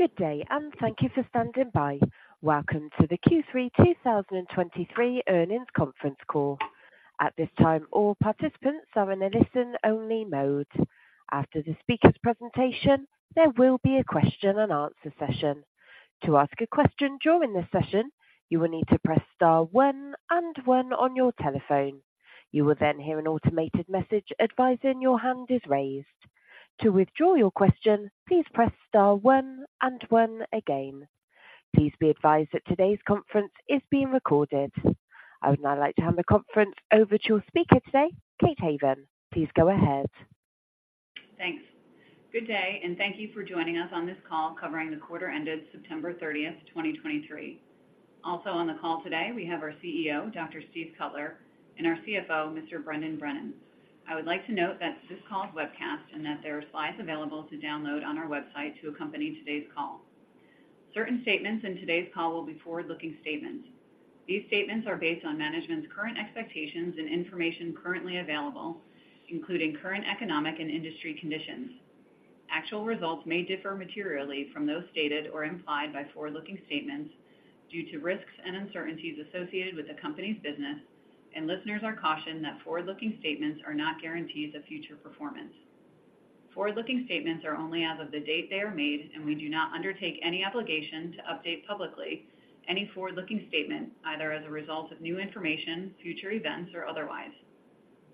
Good day, and thank you for standing by. Welcome to the Q3 2023 Earnings Conference Call. At this time, all participants are in a listen-only mode. After the speaker's presentation, there will be a question-and-answer session. To ask a question during this session, you will need to press star one and one on your telephone. You will then hear an automated message advising your hand is raised. To withdraw your question, please press star one and one again. Please be advised that today's conference is being recorded. I would now like to hand the conference over to your speaker today, Kate Haven. Please go ahead. Thanks. Good day, and thank you for joining us on this call covering the quarter ended September 30, 2023. Also on the call today, we have our CEO, Dr. Steve Cutler, and our CFO, Mr. Brendan Brennan. I would like to note that this call is webcast and that there are slides available to download on our website to accompany today's call. Certain statements in today's call will be forward-looking statements. These statements are based on management's current expectations and information currently available, including current economic and industry conditions. Actual results may differ materially from those stated or implied by forward-looking statements due to risks and uncertainties associated with the company's business, and listeners are cautioned that forward-looking statements are not guarantees of future performance. Forward-looking statements are only as of the date they are made, and we do not undertake any obligation to update publicly any forward-looking statement, either as a result of new information, future events, or otherwise.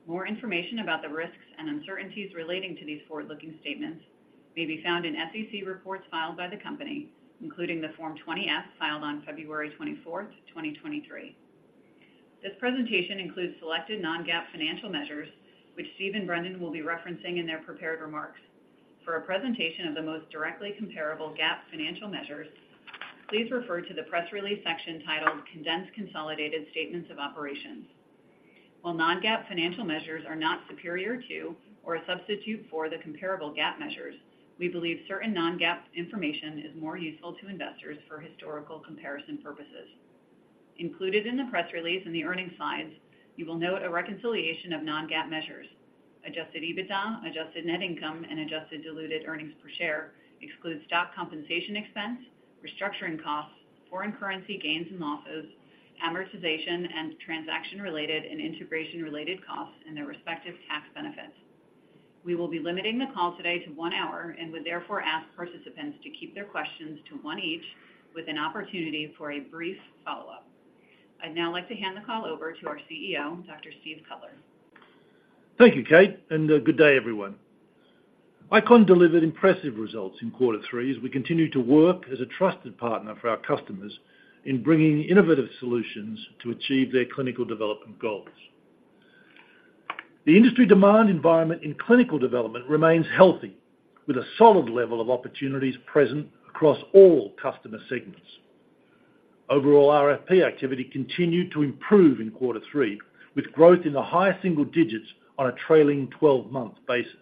More information about the risks and uncertainties relating to these forward-looking statements may be found in SEC reports filed by the company, including the Form 20-F, filed on February 24, 2023. This presentation includes selected non-GAAP financial measures, which Steve and Brendan will be referencing in their prepared remarks. For a presentation of the most directly comparable GAAP financial measures, please refer to the press release section titled Condensed Consolidated Statements of Operations. While non-GAAP financial measures are not superior to or a substitute for the comparable GAAP measures, we believe certain non-GAAP information is more useful to investors for historical comparison purposes. Included in the press release in the earnings slides, you will note a reconciliation of non-GAAP measures. Adjusted EBITDA, Adjusted Net Income, and Adjusted Diluted Earnings Per Share excludes stock compensation expense, restructuring costs, foreign currency gains and losses, amortization, and transaction-related and integration-related costs, and their respective tax benefits. We will be limiting the call today to one hour and would therefore ask participants to keep their questions to one each, with an opportunity for a brief follow-up. I'd now like to hand the call over to our CEO, Dr. Steve Cutler. Thank you, Kate, and good day, everyone. ICON delivered impressive results in quarter three as we continue to work as a trusted partner for our customers in bringing innovative solutions to achieve their clinical development goals. The industry demand environment in clinical development remains healthy, with a solid level of opportunities present across all customer segments. Overall, RFP activity continued to improve in quarter three, with growth in the higher single digits on a trailing twelve-month basis.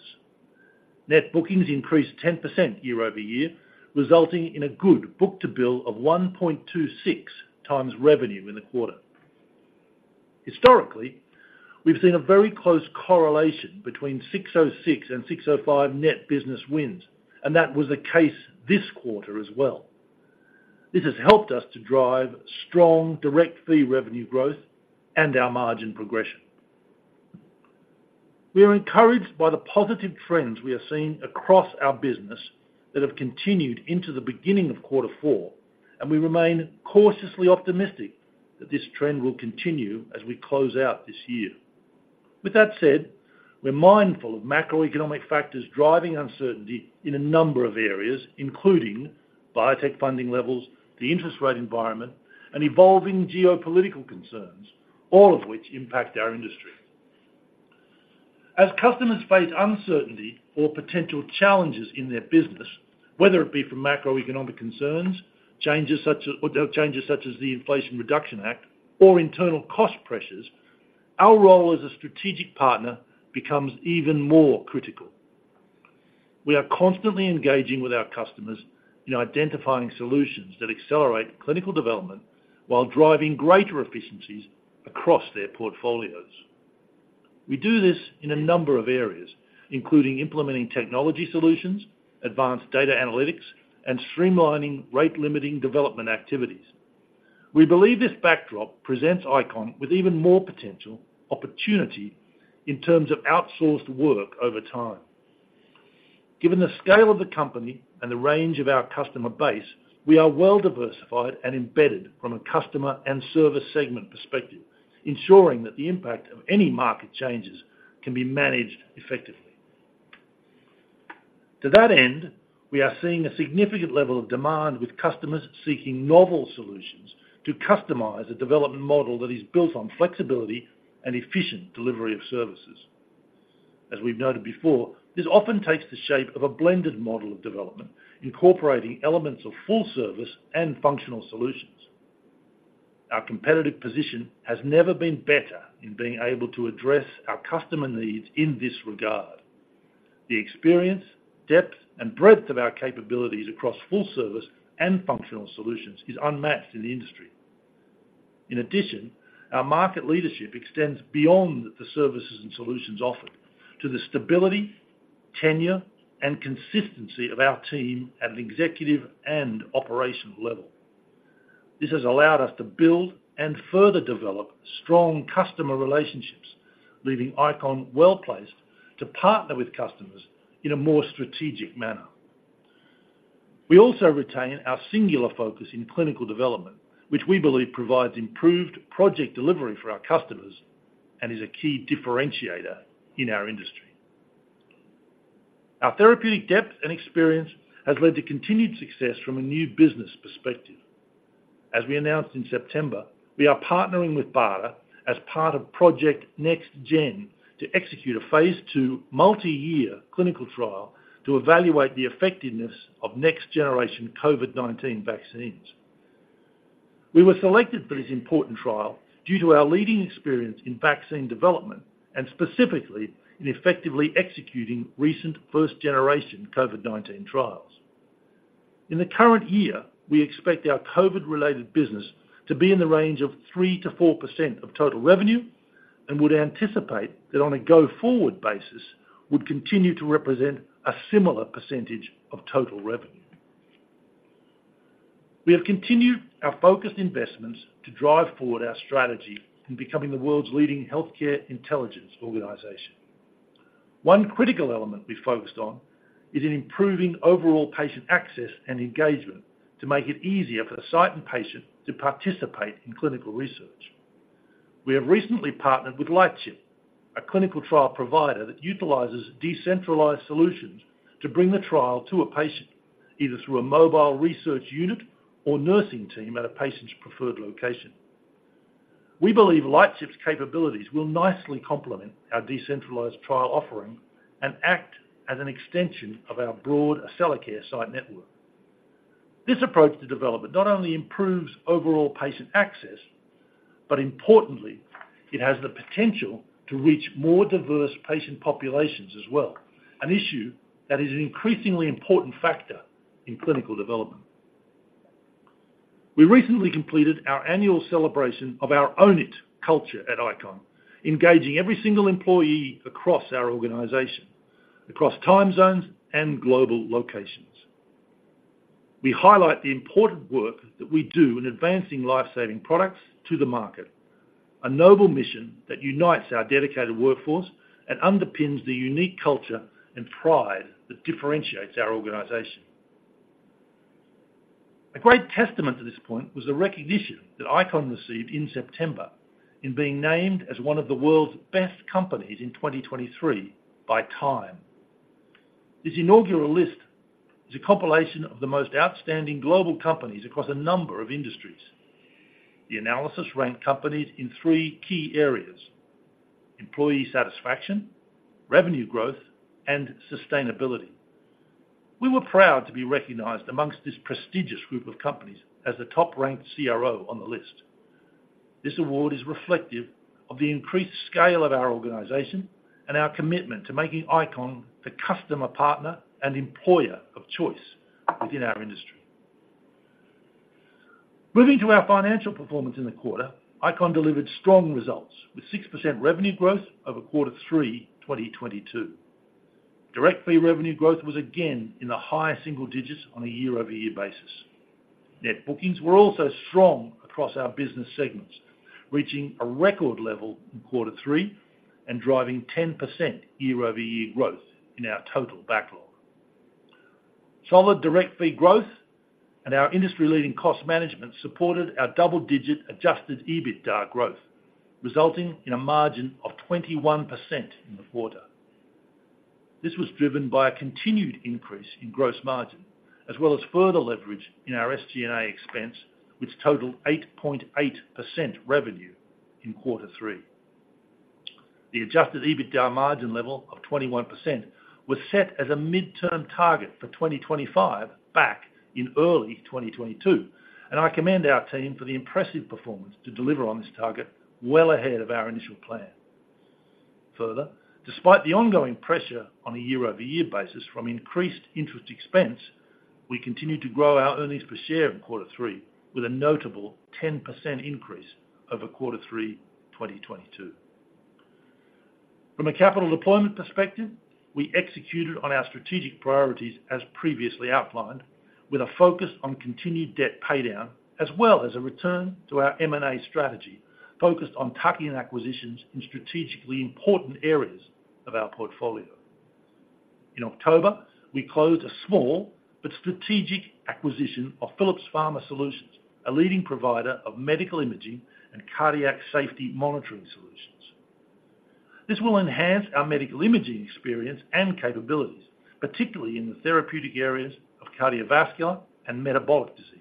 Net bookings increased 10% year-over-year, resulting in a good book-to-bill of 1.26x revenue in the quarter. Historically, we've seen a very close correlation between ASC 606 and ASC 605 net business wins, and that was the case this quarter as well. This has helped us to drive strong direct fee revenue growth and our margin progression. We are encouraged by the positive trends we are seeing across our business that have continued into the beginning of quarter four, and we remain cautiously optimistic that this trend will continue as we close out this year. With that said, we're mindful of macroeconomic factors driving uncertainty in a number of areas, including biotech funding levels, the interest rate environment, and evolving geopolitical concerns, all of which impact our industry. As customers face uncertainty or potential challenges in their business, whether it be from macroeconomic concerns, changes such as... or changes such as the Inflation Reduction Act or internal cost pressures, our role as a strategic partner becomes even more critical. We are constantly engaging with our customers in identifying solutions that accelerate clinical development while driving greater efficiencies across their portfolios. We do this in a number of areas, including implementing technology solutions, advanced data analytics, and streamlining rate-limiting development activities. We believe this backdrop presents ICON with even more potential opportunity in terms of outsourced work over time. Given the scale of the company and the range of our customer base, we are well diversified and embedded from a customer and service segment perspective, ensuring that the impact of any market changes can be managed effectively. To that end, we are seeing a significant level of demand, with customers seeking novel solutions to customize a development model that is built on flexibility and efficient delivery of services. As we've noted before, this often takes the shape of a blended model of development, incorporating elements of full service and functional solutions. Our competitive position has never been better in being able to address our customer needs in this regard. The experience, depth, and breadth of our capabilities across full service and functional solutions is unmatched in the industry. In addition, our market leadership extends beyond the services and solutions offered to the stability, tenure, and consistency of our team at an executive and operational level. This has allowed us to build and further develop strong customer relationships, leaving ICON well-placed to partner with customers in a more strategic manner. We also retain our singular focus in clinical development, which we believe provides improved project delivery for our customers and is a key differentiator in our industry. Our therapeutic depth and experience has led to continued success from a new business perspective. As we announced in September, we are partnering with BARDA as part of Project NextGen, to execute a phase II multi-year clinical trial to evaluate the effectiveness of next-generation COVID-19 vaccines. We were selected for this important trial due to our leading experience in vaccine development, and specifically in effectively executing recent first-generation COVID-19 trials. In the current year, we expect our COVID-related business to be in the range of 3%-4% of total revenue, and would anticipate that on a go-forward basis, would continue to represent a similar percentage of total revenue. We have continued our focused investments to drive forward our strategy in becoming the world's leading healthcare intelligence organization. One critical element we focused on is in improving overall patient access and engagement to make it easier for the site and patient to participate in clinical research. We have recently partnered with Lightship, a clinical trial provider that utilizes decentralized solutions to bring the trial to a patient, either through a mobile research unit or nursing team at a patient's preferred location. We believe Lightship's capabilities will nicely complement our decentralized trial offering and act as an extension of our broad Accellacare site network. This approach to development not only improves overall patient access, but importantly, it has the potential to reach more diverse patient populations as well, an issue that is an increasingly important factor in clinical development. We recently completed our annual celebration of our Own It culture at ICON, engaging every single employee across our organization, across time zones and global locations. We highlight the important work that we do in advancing life-saving products to the market, a noble mission that unites our dedicated workforce and underpins the unique culture and pride that differentiates our organization. A great testament to this point was the recognition that ICON received in September in being named as one of the world's best companies in 2023 by Time. This inaugural list is a compilation of the most outstanding global companies across a number of industries. The analysis ranked companies in three key areas: employee satisfaction, revenue growth, and sustainability. We were proud to be recognized amongst this prestigious group of companies as the top-ranked CRO on the list. This award is reflective of the increased scale of our organization and our commitment to making ICON the customer, partner, and employer of choice within our industry. Moving to our financial performance in the quarter, ICON delivered strong results, with 6% revenue growth over quarter 3, 2022. Direct fee revenue growth was again in the higher single digits on a year-over-year basis. Net bookings were also strong across our business segments, reaching a record level in quarter 3 and driving 10% year-over-year growth in our total backlog. Solid direct fee growth and our industry-leading cost management supported our double-digit Adjusted EBITDA growth, resulting in a margin of 21% in the quarter. This was driven by a continued increase in gross margin, as well as further leverage in our SG&A expense, which totaled 8.8% revenue in quarter three. The Adjusted EBITDA margin level of 21% was set as a midterm target for 2025, back in early 2022, and I commend our team for the impressive performance to deliver on this target well ahead of our initial plan. Further, despite the ongoing pressure on a year-over-year basis from increased interest expense, we continued to grow our earnings per share in quarter three with a notable 10% increase over quarter three, 2022. From a capital deployment perspective, we executed on our strategic priorities as previously outlined, with a focus on continued debt paydown, as well as a return to our M&A strategy, focused on tuck-in acquisitions in strategically important areas of our portfolio. In October, we closed a small but strategic acquisition of Phillips Pharma Solutions, a leading provider of medical imaging and cardiac safety monitoring solutions. This will enhance our medical imaging experience and capabilities, particularly in the therapeutic areas of cardiovascular and metabolic diseases.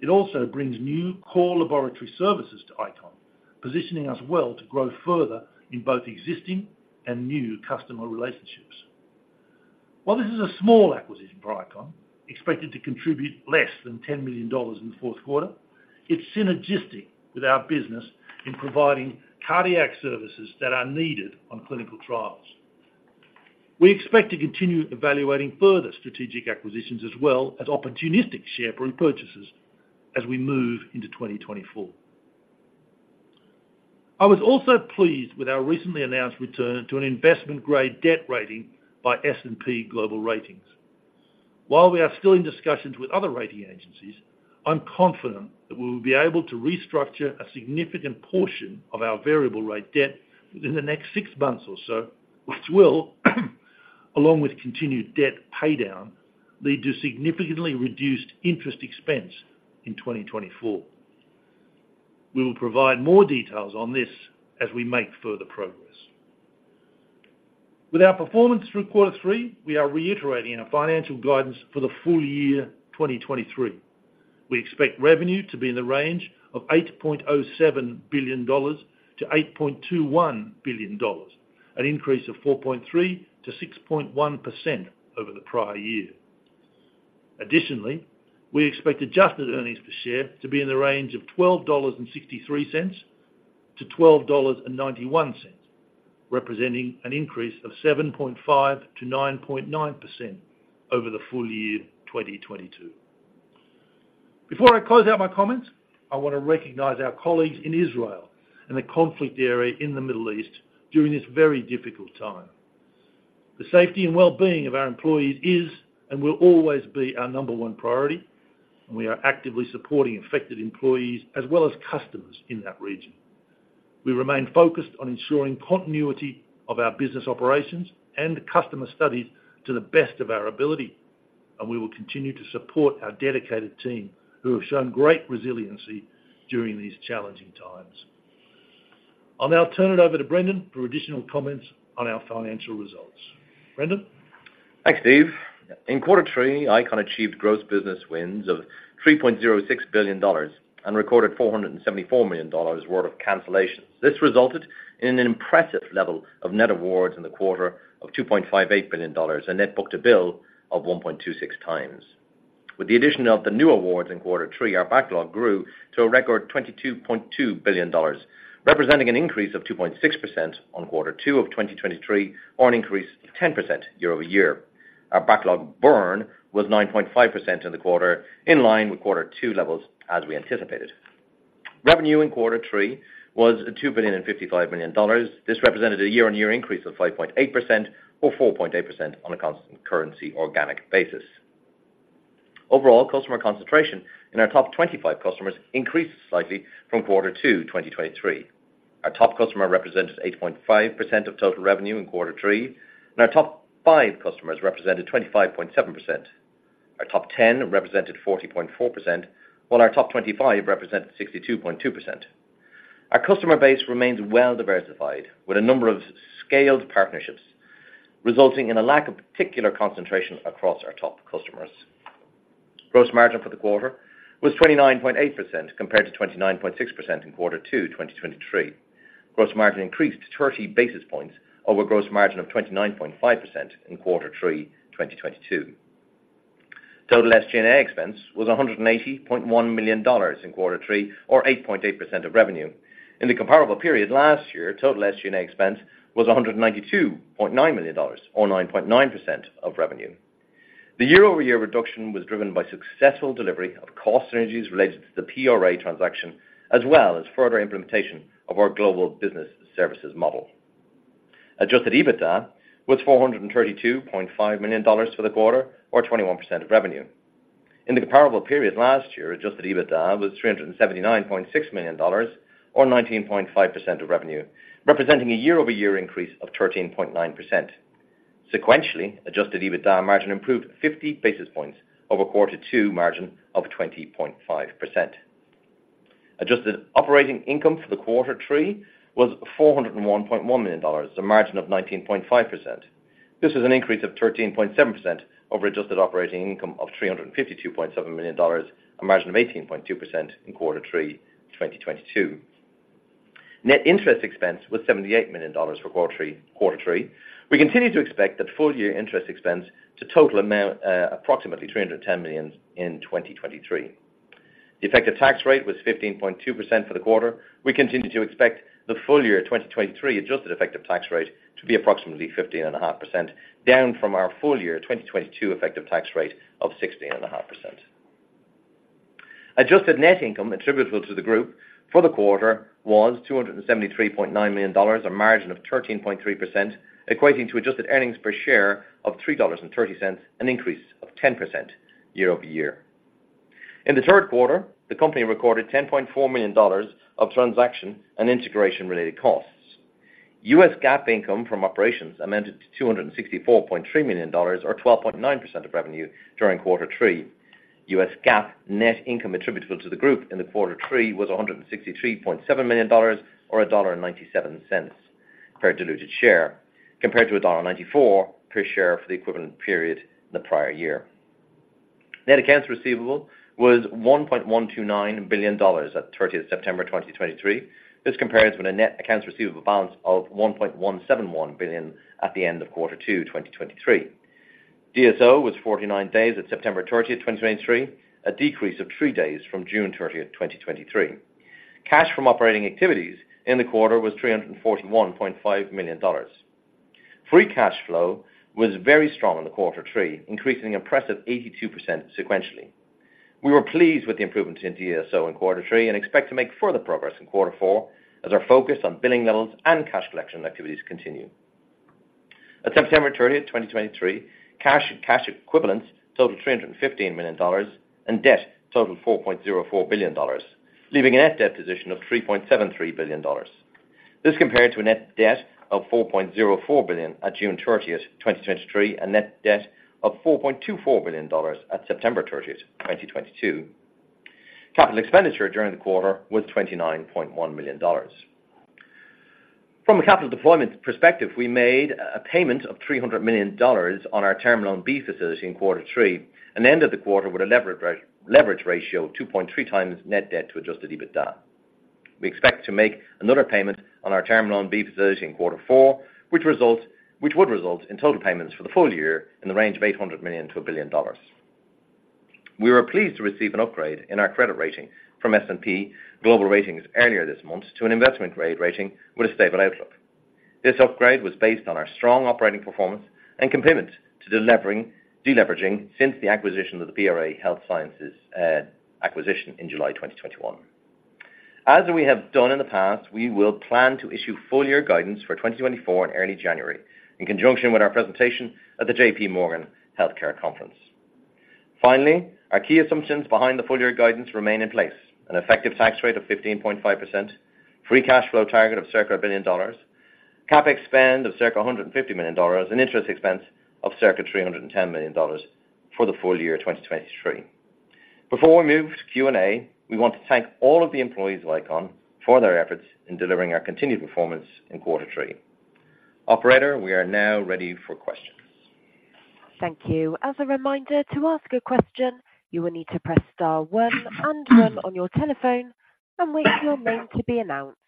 It also brings new core laboratory services to ICON, positioning us well to grow further in both existing and new customer relationships. While this is a small acquisition for ICON, expected to contribute less than $10 million in the fourth quarter, it's synergistic with our business in providing cardiac services that are needed on clinical trials. We expect to continue evaluating further strategic acquisitions as well as opportunistic share buy purchases as we move into 2024. I was also pleased with our recently announced return to an investment-grade debt rating by S&P Global Ratings. While we are still in discussions with other rating agencies, I'm confident that we will be able to restructure a significant portion of our variable rate debt within the next six months or so, which will, along with continued debt paydown, lead to significantly reduced interest expense in 2024. We will provide more details on this as we make further progress. With our performance through quarter three, we are reiterating our financial guidance for the full year 2023. We expect revenue to be in the range of $8.07 billion-$8.21 billion, an increase of 4.3%-6.1% over the prior year. Additionally, we expect adjusted earnings per share to be in the range of $12.63-$12.91, representing an increase of 7.5%-9.9% over the full year 2022. Before I close out my comments, I want to recognize our colleagues in Israel and the conflict area in the Middle East during this very difficult time. The safety and well-being of our employees is and will always be our number one priority, and we are actively supporting affected employees as well as customers in that region. We remain focused on ensuring continuity of our business operations and customer studies to the best of our ability, and we will continue to support our dedicated team, who have shown great resiliency during these challenging times. I'll now turn it over to Brendan for additional comments on our financial results. Brendan? Thanks, Steve. In quarter three, ICON achieved gross business wins of $3.06 billion and recorded $474 million worth of cancellations. This resulted in an impressive level of net awards in the quarter of $2.58 billion, a net book-to-bill of 1.26x. With the addition of the new awards in quarter three, our backlog grew to a record $22.2 billion, representing an increase of 2.6% on quarter two of 2023, or an increase of 10% year-over-year. Our backlog burn was 9.5% in the quarter, in line with quarter two levels, as we anticipated. Revenue in quarter three was $2.055 billion. This represented a year-on-year increase of 5.8% or 4.8% on a constant currency organic basis. Overall, customer concentration in our top 25 customers increased slightly from quarter two, 2023. Our top customer represented 8.5% of total revenue in quarter three, and our top five customers represented 25.7%. Our top 10 represented 40.4%, while our top 25 represented 62.2%. Our customer base remains well diversified, with a number of scaled partnerships, resulting in a lack of particular concentration across our top customers. Gross margin for the quarter was 29.8%, compared to 29.6% in quarter two, 2023. Gross margin increased 30 basis points over gross margin of 29.5% in quarter three, 2022. Total SG&A expense was $180.1 million in quarter three, or 8.8% of revenue. In the comparable period last year, total SG&A expense was $192.9 million, or 9.9% of revenue. The year-over-year reduction was driven by successful delivery of cost synergies related to the PRA transaction, as well as further implementation of our global business services model. Adjusted EBITDA was $432.5 million for the quarter, or 21% of revenue. In the comparable period last year, adjusted EBITDA was $379.6 million, or 19.5% of revenue, representing a year-over-year increase of 13.9%. Sequentially, adjusted EBITDA margin improved 50 basis points over quarter two margin of 20.5%. Adjusted operating income for the quarter three was $401.1 million, a margin of 19.5%. This is an increase of 13.7% over Adjusted Operating Income of $352.7 million, a margin of 18.2% in quarter three, 2022. Net interest expense was $78 million for quarter three, quarter three. We continue to expect that full-year interest expense to total amount approximately $310 million in 2023. The effective tax rate was 15.2% for the quarter. We continue to expect the full year 2023 Adjusted Effective Tax Rate to be approximately 15.5%, down from our full year 2022 effective tax rate of 16.5%. Adjusted net income attributable to the group for the quarter was $273.9 million, a margin of 13.3%, equating to adjusted earnings per share of $3.30, an increase of 10% year-over-year. In the third quarter, the company recorded $10.4 million of transaction and integration-related costs. U.S. GAAP income from operations amended to $264.3 million, or 12.9% of revenue during quarter three. U.S. GAAP net income attributable to the group in the quarter three was $163.7 million or $1.97 per diluted share, compared to $1.94 per share for the equivalent period in the prior year. Net accounts receivable was $1.129 billion at September 30, 2023. This compares with a net accounts receivable balance of $1.171 billion at the end of quarter two, 2023. DSO was 49 days at September 30, 2023, a decrease of 3 days from June 30, 2023. Cash from operating activities in the quarter was $341.5 million. Free cash flow was very strong in the quarter 3, increasing an impressive 82% sequentially. We were pleased with the improvement in DSO in quarter 3 and expect to make further progress in quarter 4, as our focus on billing levels and cash collection activities continue. At September 30, 2023, cash and cash equivalents totaled $315 million, and debt totaled $4.04 billion, leaving a net debt position of $3.73 billion. This compared to a net debt of $4.04 billion at June 30, 2023, and net debt of $4.24 billion at September 30, 2022. Capital expenditure during the quarter was $29.1 million. From a capital deployment perspective, we made a payment of $300 million on our Term Loan B facility in quarter three, and ended the quarter with a leverage ratio of 2.3 times net debt to adjusted EBITDA. We expect to make another payment on our Term Loan B facility in quarter four, which would result in total payments for the full year in the range of $800 million-$1 billion. We were pleased to receive an upgrade in our credit rating from S&P Global Ratings earlier this month to an investment-grade rating with a stable outlook. This upgrade was based on our strong operating performance and commitment to deleveraging since the acquisition of the PRA Health Sciences acquisition in July 2021. As we have done in the past, we will plan to issue full year guidance for 2024 in early January, in conjunction with our presentation at the JPMorgan Healthcare Conference. Finally, our key assumptions behind the full year guidance remain in place: an effective tax rate of 15.5%, free cash flow target of circa $1 billion, CapEx spend of circa $150 million, and interest expense of circa $310 million for the full year 2023. Before we move to Q&A, we want to thank all of the employees of ICON for their efforts in delivering our continued performance in quarter three. Operator, we are now ready for questions. Thank you. As a reminder, to ask a question, you will need to press star one and one on your telephone and wait for your name to be announced.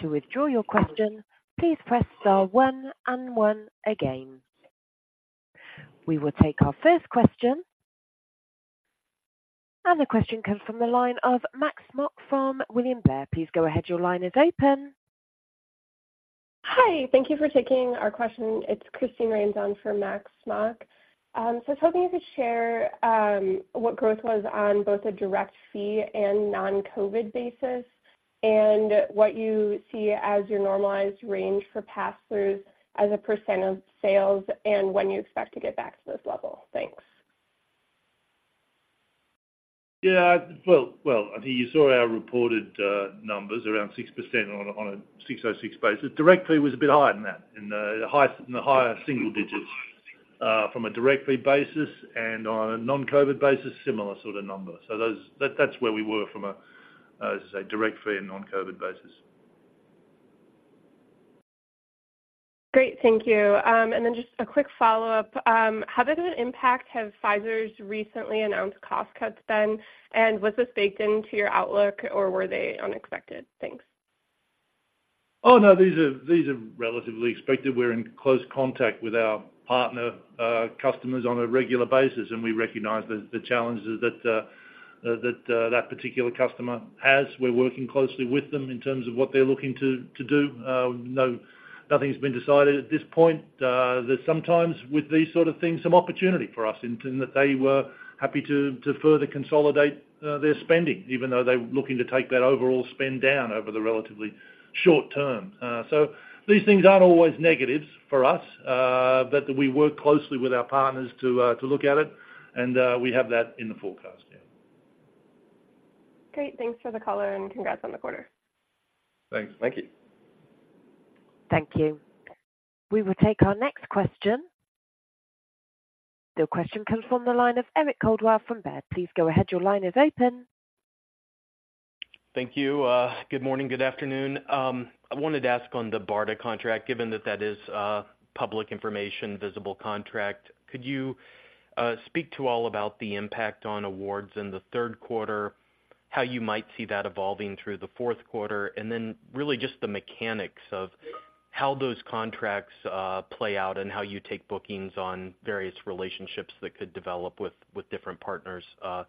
To withdraw your question, please press star one and one again. We will take our first question. The question comes from the line of Max Smock from William Blair. Please go ahead. Your line is open. Hi, thank you for taking our question. It's Christine Rains for Max Smock. So I was hoping you could share, what growth was on both a direct fee and non-COVID basis, and what you see as your normalized range for pass-throughs as a percent of sales, and when you expect to get back to this level? Thanks. Yeah, well, well, I think you saw our reported numbers around 6% on a ASC 606 basis. Directly was a bit higher than that, in the higher single digits from a direct fee basis, and on a non-COVID basis, similar sort of number. So those... That, that's where we were from a, as I say, direct fee and non-COVID basis. Great, thank you. Then just a quick follow-up. How big of an impact have Pfizer's recently announced cost cuts been, and was this baked into your outlook, or were they unexpected? Thanks. Oh, no, these are, these are relatively expected. We're in close contact with our partner, customers on a regular basis, and we recognize the challenges that that particular customer has. We're working closely with them in terms of what they're looking to do. Nothing's been decided at this point. There's sometimes, with these sort of things, some opportunity for us in terms that they were happy to further consolidate their spending, even though they're looking to take that overall spend down over the relatively short term. So these things aren't always negatives for us, but we work closely with our partners to look at it, and we have that in the forecast, yeah. Great. Thanks for the color, and congrats on the quarter. Thanks. Thank you. Thank you. We will take our next question. The question comes from the line of Eric Coldwell from Baird. Please go ahead. Your line is open. Thank you. Good morning, good afternoon. I wanted to ask on the BARDA contract, given that that is a public information, visible contract, could you speak to all about the impact on awards in the third quarter, how you might see that evolving through the fourth quarter, and then really just the mechanics of how those contracts play out and how you take bookings on various relationships that could develop with, with different partners? I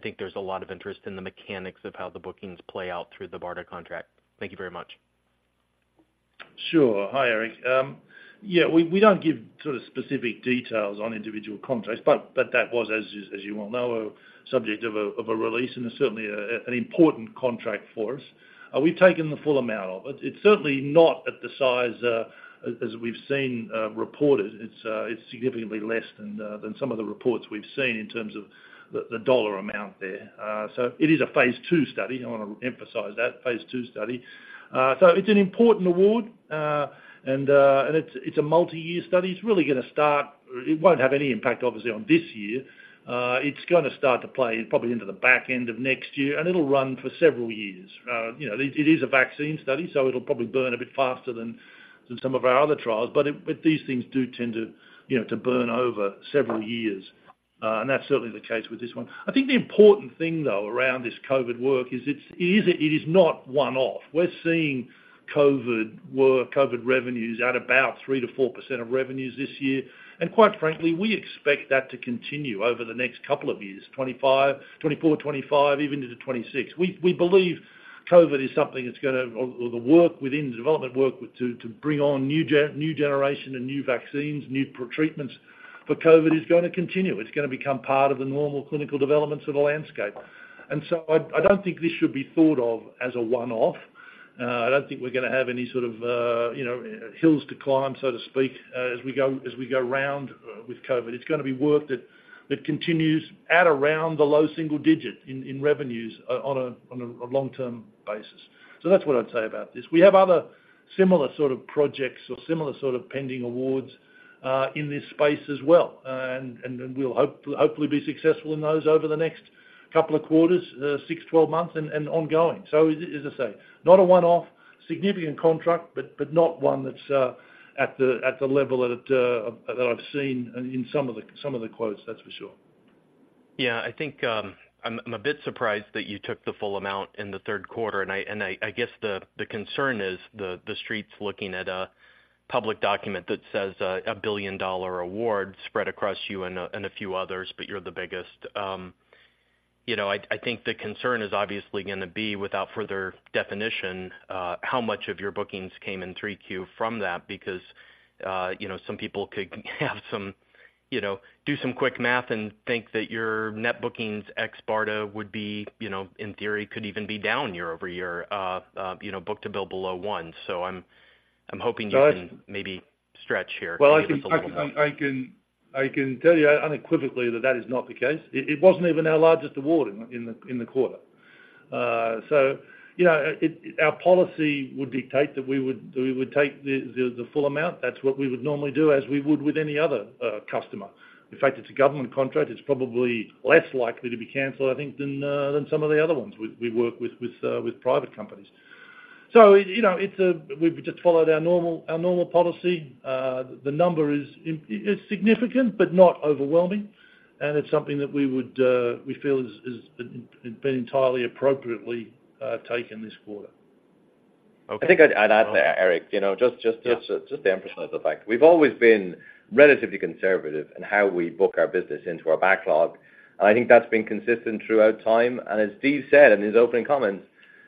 think there's a lot of interest in the mechanics of how the bookings play out through the BARDA contract. Thank you very much. Sure. Hi, Eric. Yeah, we don't give sort of specific details on individual contracts, but that was, as you well know, a subject of a release and certainly an important contract for us. We've taken the full amount of it. It's certainly not at the size as we've seen reported. It's significantly less than some of the reports we've seen in terms of the dollar amount there. So it is a phase II study. I wanna emphasize that, phase II study. So it's an important award, and it's a multi-year study. It's really gonna start... It won't have any impact, obviously, on this year. It's gonna start to play probably into the back end of next year, and it'll run for several years. You know, it is a vaccine study, so it'll probably burn a bit faster than some of our other trials, but these things do tend to, you know, to burn over several years.... and that's certainly the case with this one. I think the important thing, though, around this COVID work is it's not one-off. We're seeing COVID work, COVID revenues at about 3%-4% of revenues this year. And quite frankly, we expect that to continue over the next couple of years, 2025, 2024, 2025, even into 2026. We believe COVID is something that's gonna, the work within the development work to bring on new generation and new pretreatments for COVID, is gonna continue. It's gonna become part of the normal clinical developments of the landscape. And so I don't think this should be thought of as a one-off. I don't think we're gonna have any sort of, you know, hills to climb, so to speak, as we go, as we go around with COVID. It's gonna be work that, that continues at around the low single digit in, in revenues, on a, on a long-term basis. So that's what I'd say about this. We have other similar sort of projects or similar sort of pending awards, in this space as well. And, and we'll hopefully be successful in those over the next couple of quarters, 6, 12 months and, and ongoing. So as I say, not a one-off, significant contract, but, but not one that's, at the, at the level that, that I've seen in some of the, some of the quotes, that's for sure. Yeah, I think I'm a bit surprised that you took the full amount in the third quarter, and I guess the concern is the street's looking at a public document that says a billion-dollar award spread across you and a few others, but you're the biggest. You know, I think the concern is obviously gonna be, without further definition, how much of your bookings came in 3Q from that? Because, you know, some people could do some quick math and think that your net bookings ex BARDA would be, you know, in theory, could even be down year-over-year, you know, book-to-bill below one. So I'm hoping you can maybe stretch here. Well, I can- Just a little more. I can tell you unequivocally that that is not the case. It wasn't even our largest award in the quarter. So, you know, our policy would dictate that we would take the full amount. That's what we would normally do, as we would with any other customer. In fact, it's a government contract. It's probably less likely to be canceled, I think, than some of the other ones we work with private companies. So, you know, we've just followed our normal policy. The number is significant, but not overwhelming, and it's something that we feel has been entirely appropriately taken this quarter. Okay. I think I'd add, Eric, you know, just- Yeah... just to emphasize the fact. We've always been relatively conservative in how we book our business into our backlog, and I think that's been consistent throughout time. And as Steve said in his opening comments,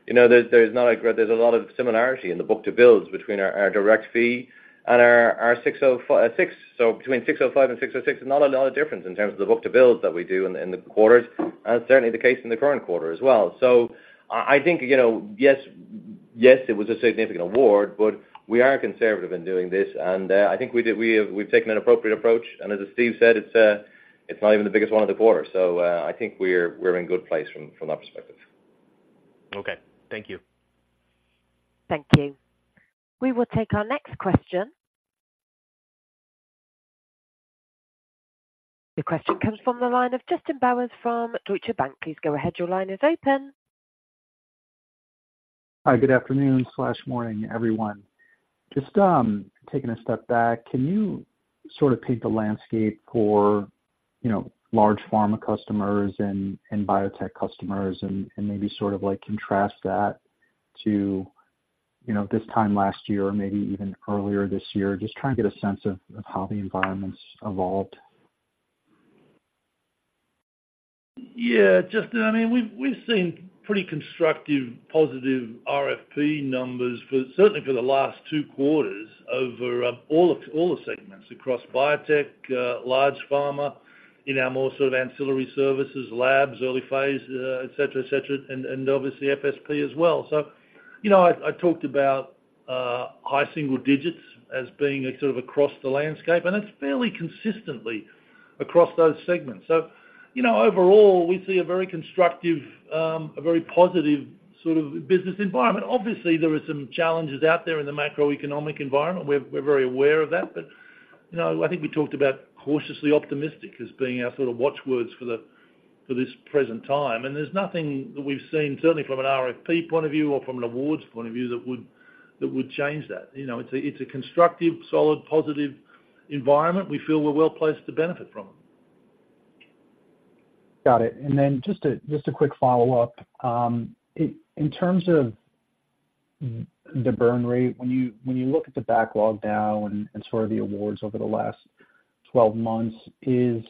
you know, there's, there's not a great, there's a lot of similarity in the book-to-bill between our direct fee and our ASC 605, ASC 606. So between ASC 605 and ASC 606, there's not a lot of difference in terms of the book-to-bill that we do in the quarters, and certainly the case in the current quarter as well. So, I think, you know, yes, yes, it was a significant award, but we are conservative in doing this, and I think we have—we've taken an appropriate approach, and as Steve said, it's not even the biggest one of the quarter. So, I think we're in good place from that perspective. Okay. Thank you. Thank you. We will take our next question. Your question comes from the line of Justin Bowers from Deutsche Bank. Please go ahead. Your line is open. Hi, good afternoon or morning, everyone. Just taking a step back, can you sort of paint the landscape for, you know, large pharma customers and, and biotech customers and, and maybe sort of like contrast that to, you know, this time last year or maybe even earlier this year, just trying to get a sense of, of how the environment's evolved? Yeah, Justin. I mean, we've seen pretty constructive, positive RFP numbers for, certainly for the last two quarters over all the segments across biotech, large pharma, in our more sort of ancillary services, labs, early phase, et cetera, and obviously FSP as well. So, you know, I talked about high single digits as being a sort of across the landscape, and it's fairly consistently across those segments. So, you know, overall, we see a very constructive, a very positive sort of business environment. Obviously, there are some challenges out there in the macroeconomic environment. We're very aware of that, but, you know, I think we talked about cautiously optimistic as being our sort of watch words for this present time. There's nothing that we've seen, certainly from an RFP point of view or from an awards point of view, that would, that would change that. You know, it's a, it's a constructive, solid, positive environment we feel we're well-placed to benefit from. Got it. And then just a quick follow-up. In terms of the burn rate, when you look at the backlog now and sort of the awards over the last twelve months, is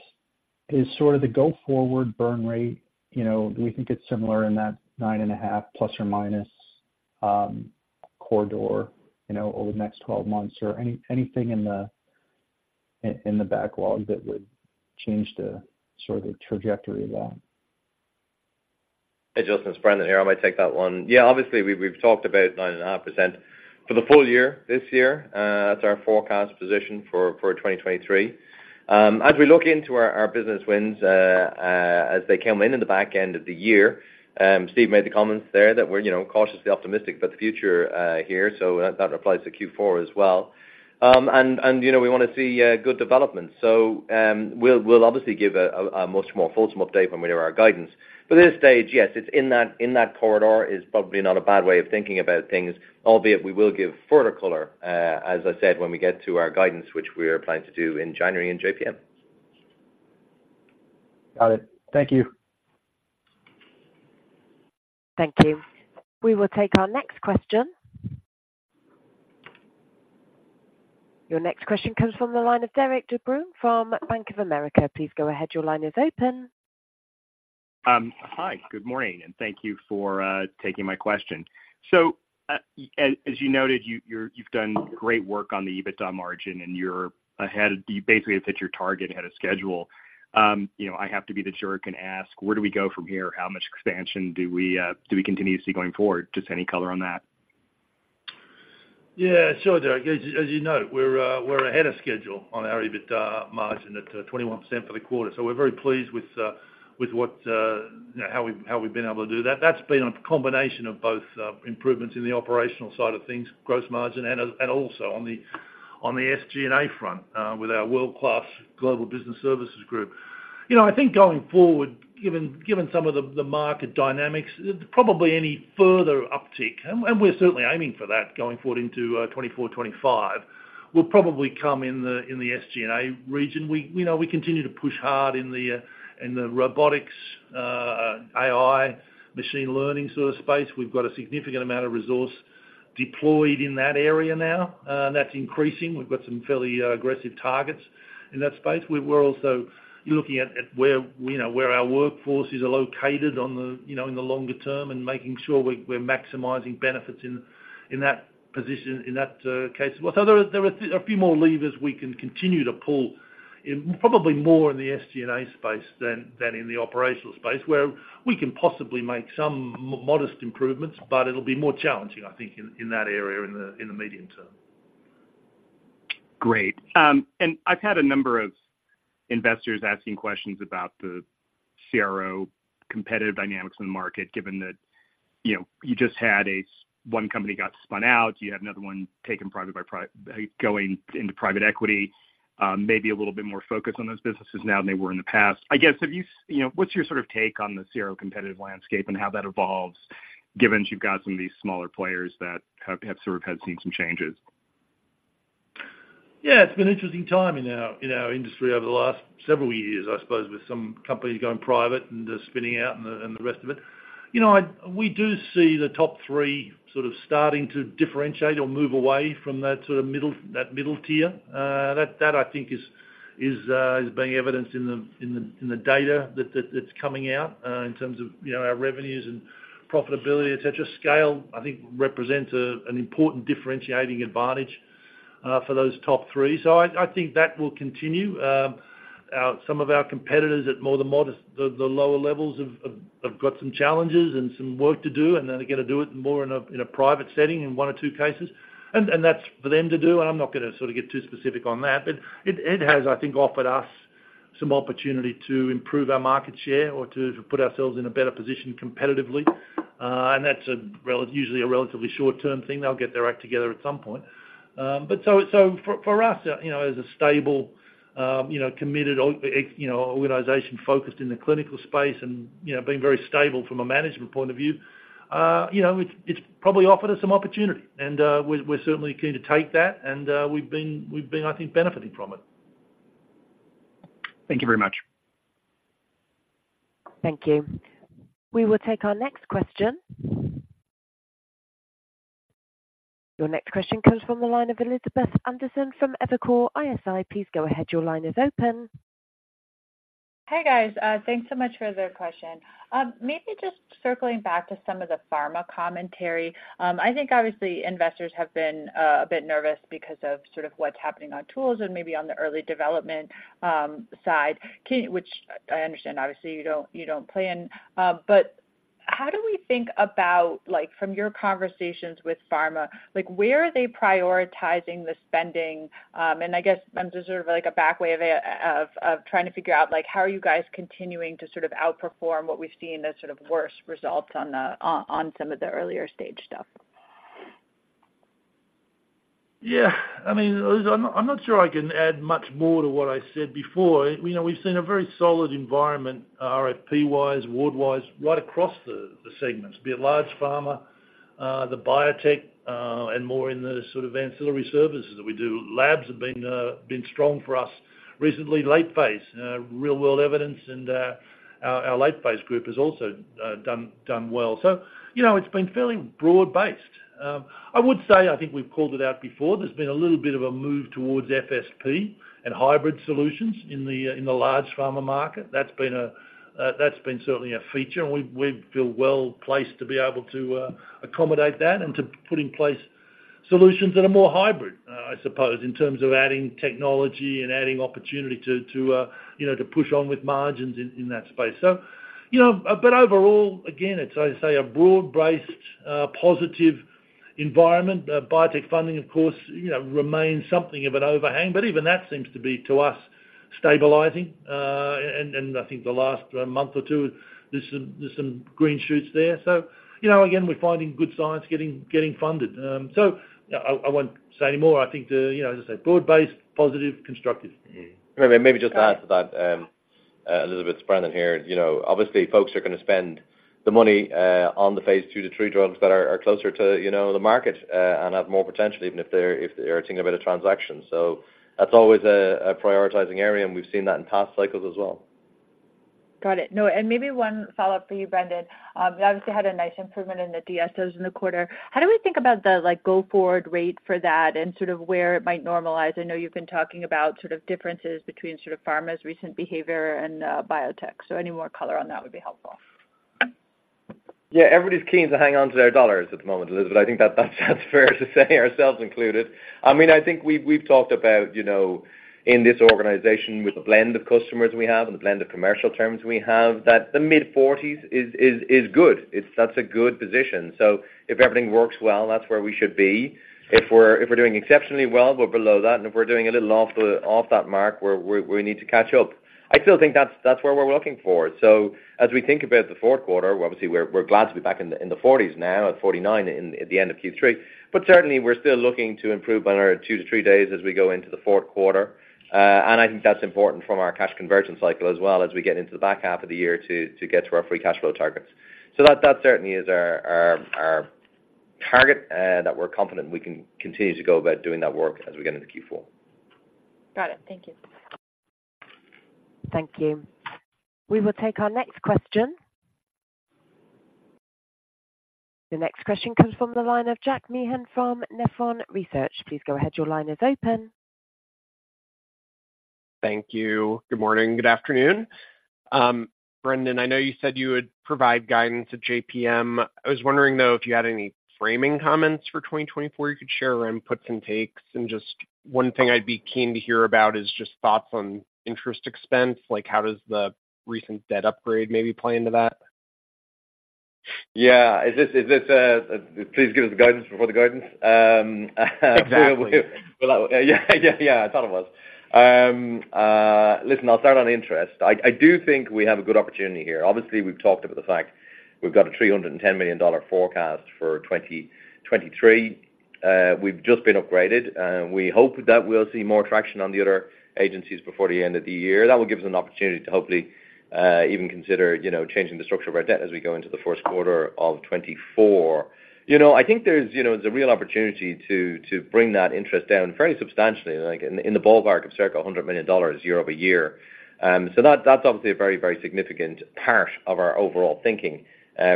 sort of the go-forward burn rate, you know, do we think it's similar in that 9.5%, ±, corridor, you know, over the next twelve months? Or anything in the backlog that would change the sort of the trajectory of that? Hey, Justin, it's Brendan here. I might take that one. Yeah, obviously, we, we've talked about 9.5%. For the full year, this year, that's our forecast position for 2023. As we look into our business wins, as they came in in the back end of the year, Steve made the comments there that we're, you know, cautiously optimistic about the future here, so that applies to Q4 as well. And, you know, we wanna see good development. So, we'll obviously give a much more fulsome update when we do our guidance. But at this stage, yes, it's in that corridor is probably not a bad way of thinking about things, albeit we will give further color, as I said, when we get to our guidance, which we are planning to do in January in JPM. Got it. Thank you.... Thank you. We will take our next question. Your next question comes from the line of Derik de Bruin from Bank of America. Please go ahead. Your line is open. Hi, good morning, and thank you for taking my question. So, as you noted, you've done great work on the EBITDA margin, and you're ahead of—you basically have hit your target ahead of schedule. You know, I have to be the jerk and ask, where do we go from here? How much expansion do we continue to see going forward? Just any color on that. Yeah, sure, Derek. As you know, we're ahead of schedule on our EBITDA margin at 21% for the quarter. So we're very pleased with what you know, how we've been able to do that. That's been a combination of both improvements in the operational side of things, gross margin, and also on the SG&A front with our world-class global business services group. You know, I think going forward, given some of the market dynamics, probably any further uptick, and we're certainly aiming for that going forward into 2024, 2025, will probably come in the SG&A region. We, you know, we continue to push hard in the robotics AI, machine learning sort of space. We've got a significant amount of resource deployed in that area now, and that's increasing. We've got some fairly aggressive targets in that space. We're also looking at where, you know, where our workforces are located on the, you know, in the longer term, and making sure we're maximizing benefits in, in that position, in that case. Well, so there are a few more levers we can continue to pull in, probably more in the SG&A space than in the operational space, where we can possibly make some modest improvements, but it'll be more challenging, I think, in that area, in the medium term. Great. And I've had a number of investors asking questions about the CRO competitive dynamics in the market, given that, you know, you just had one company got spun out, you had another one taken private by private equity, maybe a little bit more focused on those businesses now than they were in the past. I guess, have you, you know, what's your sort of take on the CRO competitive landscape and how that evolves, given you've got some of these smaller players that have sort of had seen some changes? Yeah, it's been an interesting time in our industry over the last several years, I suppose, with some companies going private and just spinning out and the rest of it. You know, we do see the top three sort of starting to differentiate or move away from that sort of middle tier. That I think is being evidenced in the data that's coming out in terms of, you know, our revenues and profitability, et cetera. Scale, I think, represents an important differentiating advantage for those top three. So I think that will continue. Some of our competitors at more modest, the lower levels have got some challenges and some work to do, and they're gonna do it more in a private setting in one or two cases. That's for them to do, and I'm not gonna sort of get too specific on that. But it has, I think, offered us some opportunity to improve our market share or to put ourselves in a better position competitively. And that's usually a relatively short-term thing. They'll get their act together at some point. So for us, you know, as a stable, you know, committed, experienced, you know, organization focused in the clinical space and, you know, being very stable from a management point of view, you know, it's probably offered us some opportunity, and we're certainly keen to take that, and we've been, I think, benefiting from it. Thank you very much. Thank you. We will take our next question. Your next question comes from the line of Elizabeth Anderson from Evercore ISI. Please go ahead. Your line is open. Hey, guys, thanks so much for the question. Maybe just circling back to some of the pharma commentary. I think obviously investors have been a bit nervous because of sort of what's happening on tools and maybe on the early development side, which I understand obviously you don't, you don't play in. But how do we think about, like, from your conversations with pharma, like, where are they prioritizing the spending? And I guess I'm just sort of like a back way of of trying to figure out, like, how are you guys continuing to sort of outperform what we've seen as sort of worse results on some of the earlier stage stuff? Yeah. I mean, Liz, I'm not sure I can add much more to what I said before. You know, we've seen a very solid environment, RFP wise, award wise, right across the segments. Be it large pharma, the biotech, and more in the sort of ancillary services that we do. Labs have been strong for us. Recently, late phase, real-world evidence and, our late phase group has also, done well. So you know, it's been fairly broad-based. I would say, I think we've called it out before, there's been a little bit of a move towards FSP and hybrid solutions in the large pharma market. That's been a, that's been certainly a feature, and we, we feel well-placed to be able to, accommodate that and to put in place solutions that are more hybrid, I suppose, in terms of adding technology and adding opportunity to, to, you know, to push on with margins in, in that space. So, you know, but overall, again, it's I say, a broad-based, positive environment. Biotech funding, of course, you know, remains something of an overhang, but even that seems to be, to us, stabilizing. And, and I think the last, month or two, there's some, there's some green shoots there. So, you know, again, we're finding good science getting, getting funded. So I, I won't say any more. I think the, you know, as I said, broad-based, positive, constructive. Maybe, maybe just to add to that, Elizabeth, it's Brendan here. You know, obviously, folks are gonna spend the money on the phase II-III drugs that are closer to, you know, the market, and have more potential, even if they're thinking about a transaction. So that's always a prioritizing area, and we've seen that in past cycles as well. ... Got it. No, and maybe one follow-up for you, Brendan. You obviously had a nice improvement in the DSOs in the quarter. How do we think about the, like, go-forward rate for that and sort of where it might normalize? I know you've been talking about sort of differences between sort of pharma's recent behavior and, biotech. So any more color on that would be helpful. Yeah, everybody's keen to hang on to their dollars at the moment, Elizabeth. I think that, that's fair to say, ourselves included. I mean, I think we've talked about, you know, in this organization, with the blend of customers we have and the blend of commercial terms we have, that the mid-40s is good. It's. That's a good position. So if everything works well, that's where we should be. If we're doing exceptionally well, we're below that, and if we're doing a little off that mark, we need to catch up. I still think that's where we're looking for. So as we think about the fourth quarter, obviously, we're glad to be back in the forties now, at 49 at the end of Q3. But certainly, we're still looking to improve on our 2-3 days as we go into the fourth quarter. And I think that's important from our cash conversion cycle, as well as we get into the back half of the year to get to our free cash flow targets. So that certainly is our target that we're confident we can continue to go about doing that work as we get into Q4. Got it. Thank you. Thank you. We will take our next question. The next question comes from the line of Jack Meehan from Nephron Research. Please go ahead. Your line is open. Thank you. Good morning. Good afternoon. Brendan, I know you said you would provide guidance to JPM. I was wondering, though, if you had any framing comments for 2024 you could share around puts and takes. And just one thing I'd be keen to hear about is just thoughts on interest expense, like how does the recent debt upgrade maybe play into that? Yeah. Is this, please give us the guidance before the guidance? Exactly. Yeah, yeah, yeah, I thought it was. Listen, I'll start on interest. I do think we have a good opportunity here. Obviously, we've talked about the fact we've got a $300 million forecast for 2023. We've just been upgraded, and we hope that we'll see more traction on the other agencies before the end of the year. That will give us an opportunity to hopefully even consider, you know, changing the structure of our debt as we go into the first quarter of 2024. You know, I think there's, you know, there's a real opportunity to bring that interest down very substantially, like in the ballpark of circa $100 million year-over-year. So that, that's obviously a very, very significant part of our overall thinking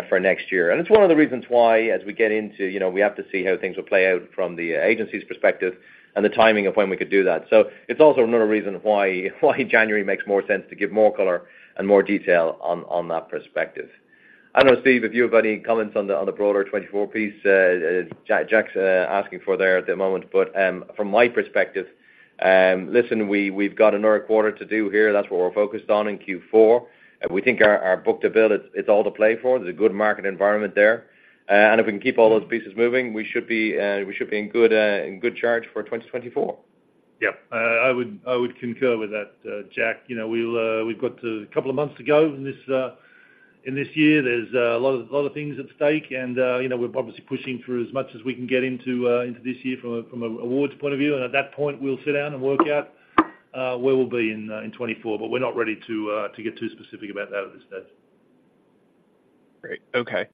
for next year. It's one of the reasons why, as we get into, you know, we have to see how things will play out from the agency's perspective and the timing of when we could do that. So it's also another reason why January makes more sense to give more color and more detail on that perspective. I don't know, Steve, if you have any comments on the broader 2024 piece, Jack's asking for there at the moment, but from my perspective, listen, we've got another quarter to do here. That's what we're focused on in Q4, and we think our book-to-bill, it's all to play for. There's a good market environment there. And if we can keep all those pieces moving, we should be in good charge for 2024. Yeah. I would, I would concur with that, Jack. You know, we'll, we've got a couple of months to go in this, in this year. There's a lot of, lot of things at stake, and, you know, we're obviously pushing through as much as we can get into, into this year from a, from an awards point of view. And at that point, we'll sit down and work out, where we'll be in, in 2024, but we're not ready to, to get too specific about that at this stage. Great. Okay.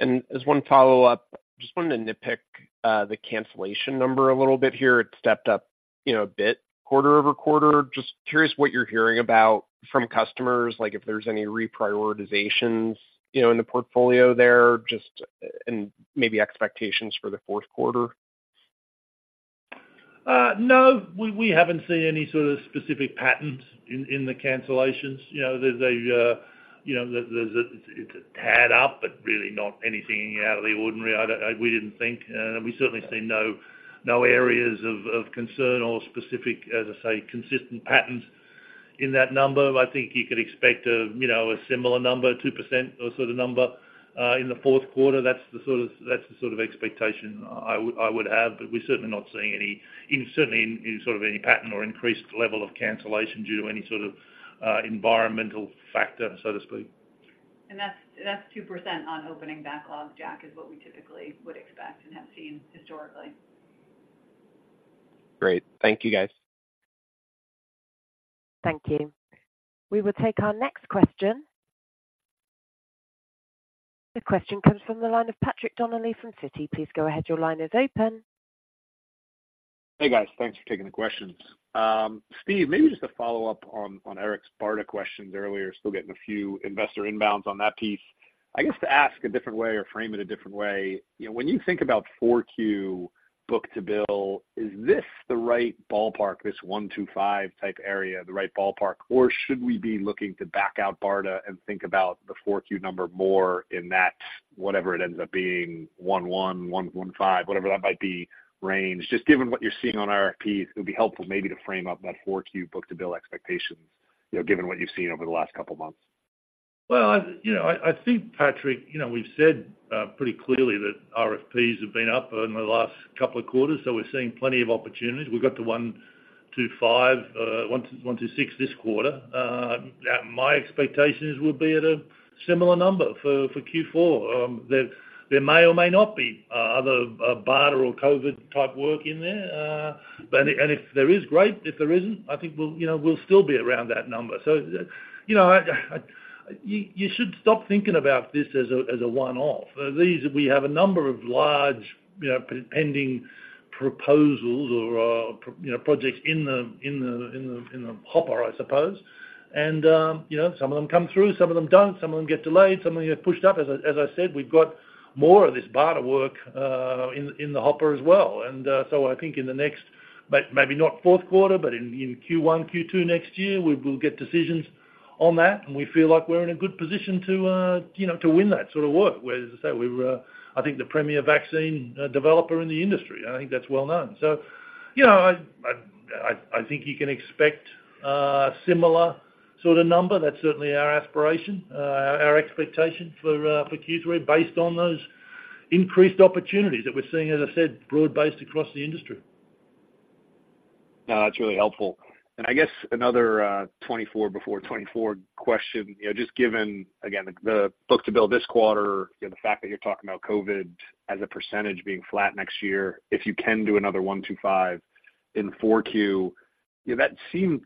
And as one follow-up, just wanted to nitpick, the cancellation number a little bit here. It stepped up, you know, a bit, quarter-over-quarter. Just curious what you're hearing about from customers, like, if there's any reprioritizations, you know, in the portfolio there, just, and maybe expectations for the fourth quarter. No, we haven't seen any sort of specific patterns in the cancellations. You know, there's a, you know, there's a it's a tad up, but really not anything out of the ordinary. We didn't think, we certainly seen no areas of concern or specific, as I say, consistent patterns in that number. I think you could expect a, you know, a similar number, 2% or sort of number, in the fourth quarter. That's the sort of expectation I would have, but we're certainly not seeing any certainly in sort of any pattern or increased level of cancellation due to any sort of environmental factor, so to speak. That's, that's 2% on opening backlog, Jack, is what we typically would expect and have seen historically. Great. Thank you, guys. Thank you. We will take our next question. The question comes from the line of Patrick Donnelly from Citi. Please go ahead. Your line is open. Hey, guys. Thanks for taking the questions. Steve, maybe just a follow-up on Eric's BARDA questions earlier. Still getting a few investor inbounds on that piece. I guess, to ask a different way or frame it a different way, you know, when you think about 4Q book-to-bill, is this the right ballpark, this 1.25 type area, the right ballpark? Or should we be looking to back out BARDA and think about the 4Q number more in that, whatever it ends up being, 1.1, 1.15, whatever that might be, range? Just given what you're seeing on RFPs, it would be helpful maybe to frame up that 4Q book-to-bill expectations, you know, given what you've seen over the last couple of months. Well, you know, I think, Patrick, you know, we've said pretty clearly that RFPs have been up in the last couple of quarters, so we're seeing plenty of opportunities. We got to 1.25, 1.26 this quarter. My expectations will be at a similar number for Q4. There may or may not be other BARDA or COVID-type work in there, but if and if there is, great. If there isn't, I think we'll, you know, we'll still be around that number. So you know, you should stop thinking about this as a one-off. We have a number of large, you know, pending proposals or, you know, projects in the hopper, I suppose. And, you know, some of them come through, some of them don't, some of them get delayed, some of them get pushed up. As I said, we've got more of this BARDA work in the hopper as well. And, so I think in the next, maybe not fourth quarter, but in Q1, Q2 next year, we will get decisions on that, and we feel like we're in a good position to, you know, to win that sort of work. Where, as I said, we were, I think the premier vaccine developer in the industry, and I think that's well known. So, you know, I think you can expect similar sort of number. That's certainly our aspiration, our expectation for Q3, based on those increased opportunities that we're seeing, as I said, broad-based across the industry. No, that's really helpful. And I guess another 2024 before 2024 question, you know, just given, again, the book-to-bill this quarter, you know, the fact that you're talking about COVID as a percentage being flat next year. If you can do another 1.5 in Q4, yeah, that seems,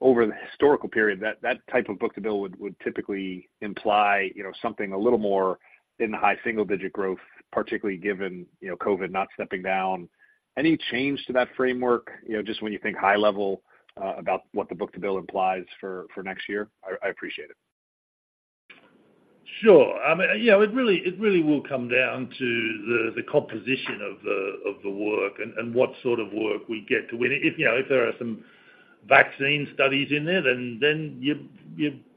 over the historical period, that type of book-to-bill would typically imply, you know, something a little more in the high single digit growth, particularly given, you know, COVID not stepping down. Any change to that framework? You know, just when you think high level about what the book-to-bill implies for next year. I appreciate it. Sure. I mean, you know, it really will come down to the composition of the work and what sort of work we get to win. If, you know, if there are some vaccine studies in there, then you,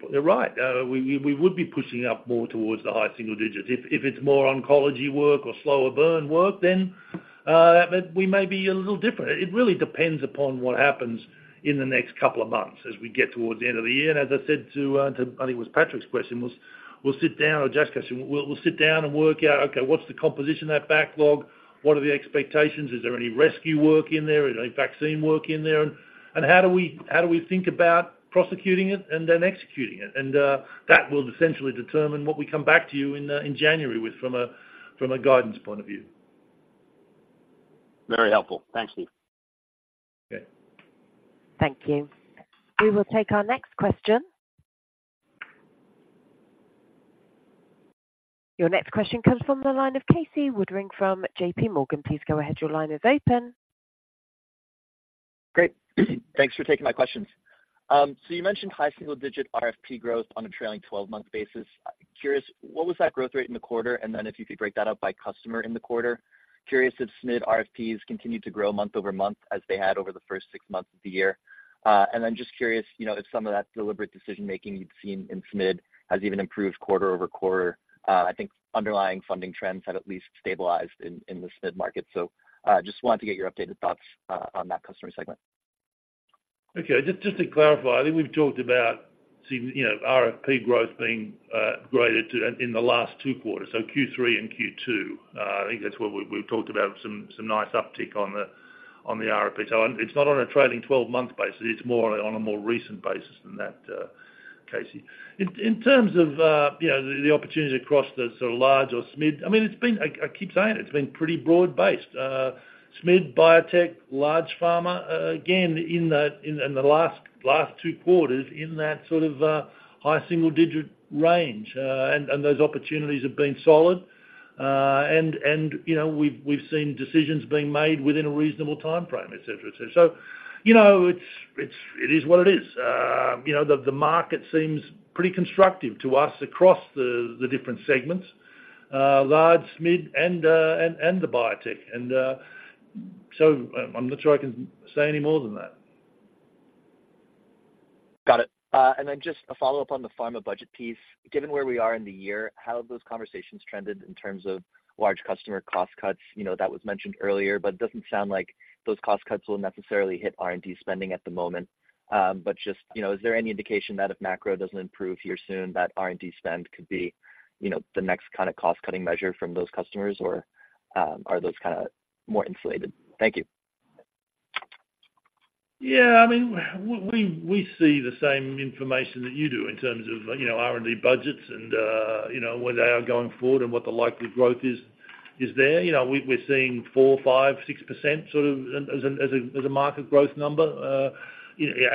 you're right. We would be pushing up more towards the high single digits. If it's more oncology work or slower burn work, then that we may be a little different. It really depends upon what happens in the next couple of months as we get towards the end of the year. And as I said to, I think it was Patrick's question. We'll sit down... Or Jack's question. We'll sit down and work out, okay, what's the composition of that backlog? What are the expectations? Is there any rescue work in there? Is there any vaccine work in there? And how do we think about prosecuting it and then executing it? That will essentially determine what we come back to you in January with from a guidance point of view. Very helpful. Thank you. Okay. Thank you. We will take our next question. Your next question comes from the line of Casey Woodring from JPMorgan. Please go ahead. Your line is open. Great. Thanks for taking my questions. So you mentioned high single digit RFP growth on a trailing twelve-month basis. Curious, what was that growth rate in the quarter, and then if you could break that up by customer in the quarter? Curious if SMID RFPs continued to grow month-over-month, as they had over the first six months of the year. And then just curious, you know, if some of that deliberate decision-making you've seen in SMID has even improved quarter-over-quarter. I think underlying funding trends have at least stabilized in the SMID market. So just wanted to get your updated thoughts on that customer segment. Okay. Just to clarify, I think we've talked about seeing, you know, RFP growth being greater in the last two quarters, so Q3 and Q2. I think that's where we've talked about some nice uptick on the RFP. So it's not on a trailing twelve-month basis, it's more on a more recent basis than that, Casey. In terms of, you know, the opportunities across the sort of large or SMID, I mean, it's been pretty broad-based. SMID, biotech, large pharma, again, in the last two quarters, in that sort of high single digit range. And you know, we've seen decisions being made within a reasonable timeframe, et cetera. So, you know, it is what it is. You know, the market seems pretty constructive to us across the different segments, large, SMID, and the biotech. So I'm not sure I can say any more than that. Got it. And then just a follow-up on the pharma budget piece. Given where we are in the year, how have those conversations trended in terms of large customer cost cuts? You know, that was mentioned earlier, but it doesn't sound like those cost cuts will necessarily hit R&D spending at the moment. But just, you know, is there any indication that if macro doesn't improve here soon, that R&D spend could be, you know, the next kind of cost-cutting measure from those customers, or, are those kind of more insulated? Thank you. Yeah, I mean, we see the same information that you do in terms of, you know, R&D budgets and, you know, where they are going forward and what the likely growth is there. You know, we're seeing 4, 5, 6%, sort of, as a market growth number.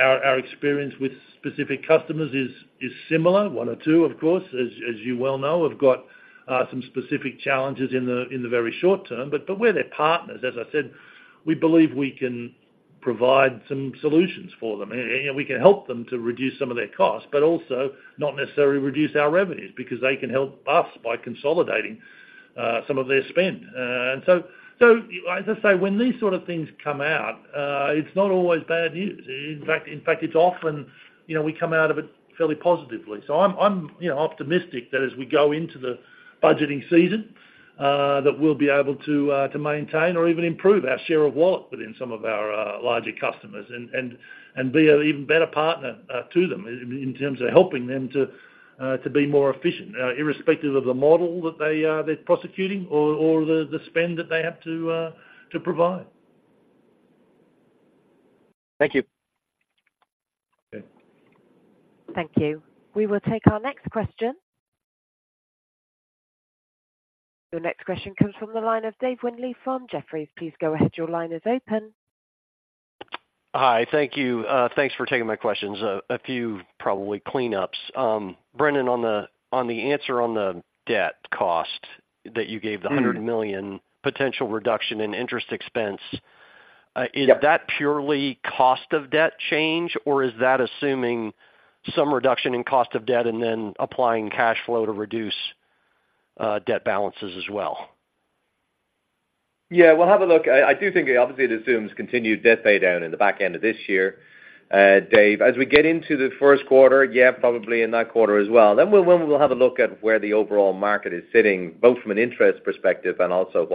Our experience with specific customers is similar. One or two, of course, as you well know, have got some specific challenges in the very short term, but we're their partners. As I said, we believe we can provide some solutions for them, and we can help them to reduce some of their costs, but also not necessarily reduce our revenues, because they can help us by consolidating some of their spend. So as I say, when these sort of things come out, it's not always bad news. In fact, it's often, you know, we come out of it fairly positively. So I'm, you know, optimistic that as we go into the budgeting season, that we'll be able to maintain or even improve our share of wallet within some of our larger customers and be an even better partner to them in terms of helping them to be more efficient, irrespective of the model that they're prosecuting or the spend that they have to provide. Thank you. Okay. Thank you. We will take our next question. Your next question comes from the line of Dave Windley from Jefferies. Please go ahead. Your line is open. Hi. Thank you. Thanks for taking my questions. A few probably cleanups. Brendan, on the answer on the debt cost that you gave- Mm-hmm. -the $100 million potential reduction in interest expense. Yep. Is that purely cost of debt change, or is that assuming some reduction in cost of debt and then applying cash flow to reduce debt balances as well?... Yeah, we'll have a look. I do think it obviously assumes continued debt pay down in the back end of this year. Dave, as we get into the first quarter, yeah, probably in that quarter as well. Then we'll have a look at where the overall market is sitting, both from an interest perspective and also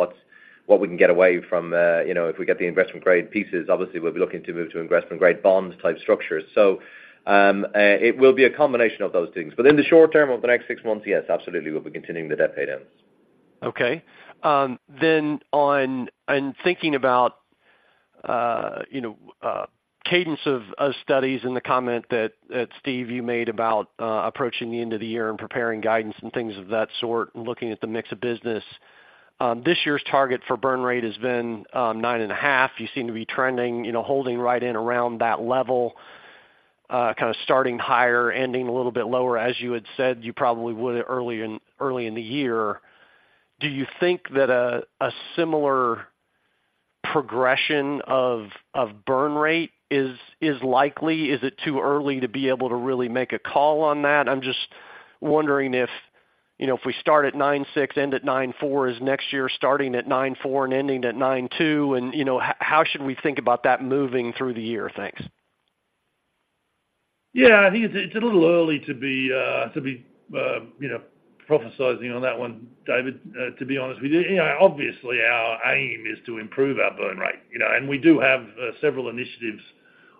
what we can get away from, you know, if we get the investment-grade pieces. Obviously, we'll be looking to move to investment-grade bonds type structures. So, it will be a combination of those things. But in the short term, over the next six months, yes, absolutely, we'll be continuing the debt pay downs. Okay. Then on, in thinking about, you know, cadence of studies and the comment that Steve, you made about approaching the end of the year and preparing guidance and things of that sort, and looking at the mix of business. This year's target for burn rate has been 9.5%. You seem to be trending, you know, holding right in around that level, kinda starting higher, ending a little bit lower, as you had said, you probably would early in the year. Do you think that a similar progression of burn rate is likely? Is it too early to be able to really make a call on that? I'm just wondering if, you know, if we start at 9.6, end at 9.4, is next year starting at 9.4 and ending at 9.2? And, you know, how should we think about that moving through the year? Thanks. Yeah, I think it's a little early to be, you know, prophesying on that one, David, to be honest with you. You know, obviously, our aim is to improve our burn rate, you know, and we do have several initiatives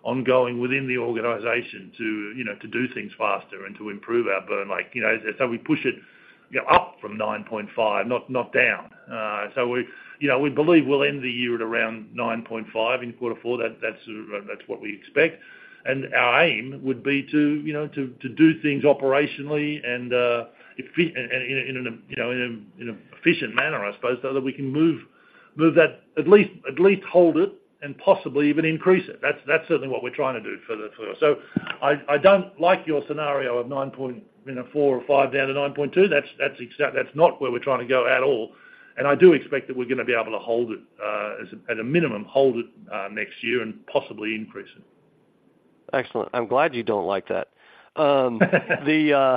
ongoing within the organization to, you know, to do things faster and to improve our burn like, you know. So we push it, you know, up from 9.5%, not down. So we, you know, we believe we'll end the year at around 9.5% in quarter four. That's what we expect. Our aim would be to, you know, to do things operationally and efficiently, you know, in an efficient manner, I suppose, so that we can move that, at least hold it and possibly even increase it. That's certainly what we're trying to do for the... So I don't like your scenario of 9.4 or 5 down to 9.2. That's not where we're trying to go at all, and I do expect that we're gonna be able to hold it, at a minimum, hold it next year and possibly increase it. Excellent. I'm glad you don't like that. The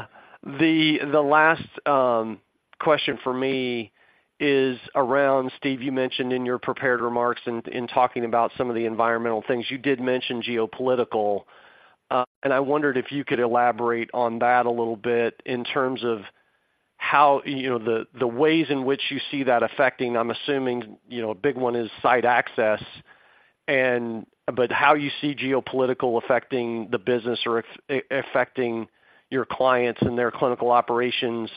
last question for me is around, Steve, you mentioned in your prepared remarks in talking about some of the environmental things, you did mention geopolitical. And I wondered if you could elaborate on that a little bit in terms of how, you know, the ways in which you see that affecting, I'm assuming, you know, a big one is site access, and but how you see geopolitical affecting the business or affecting your clients and their clinical operations.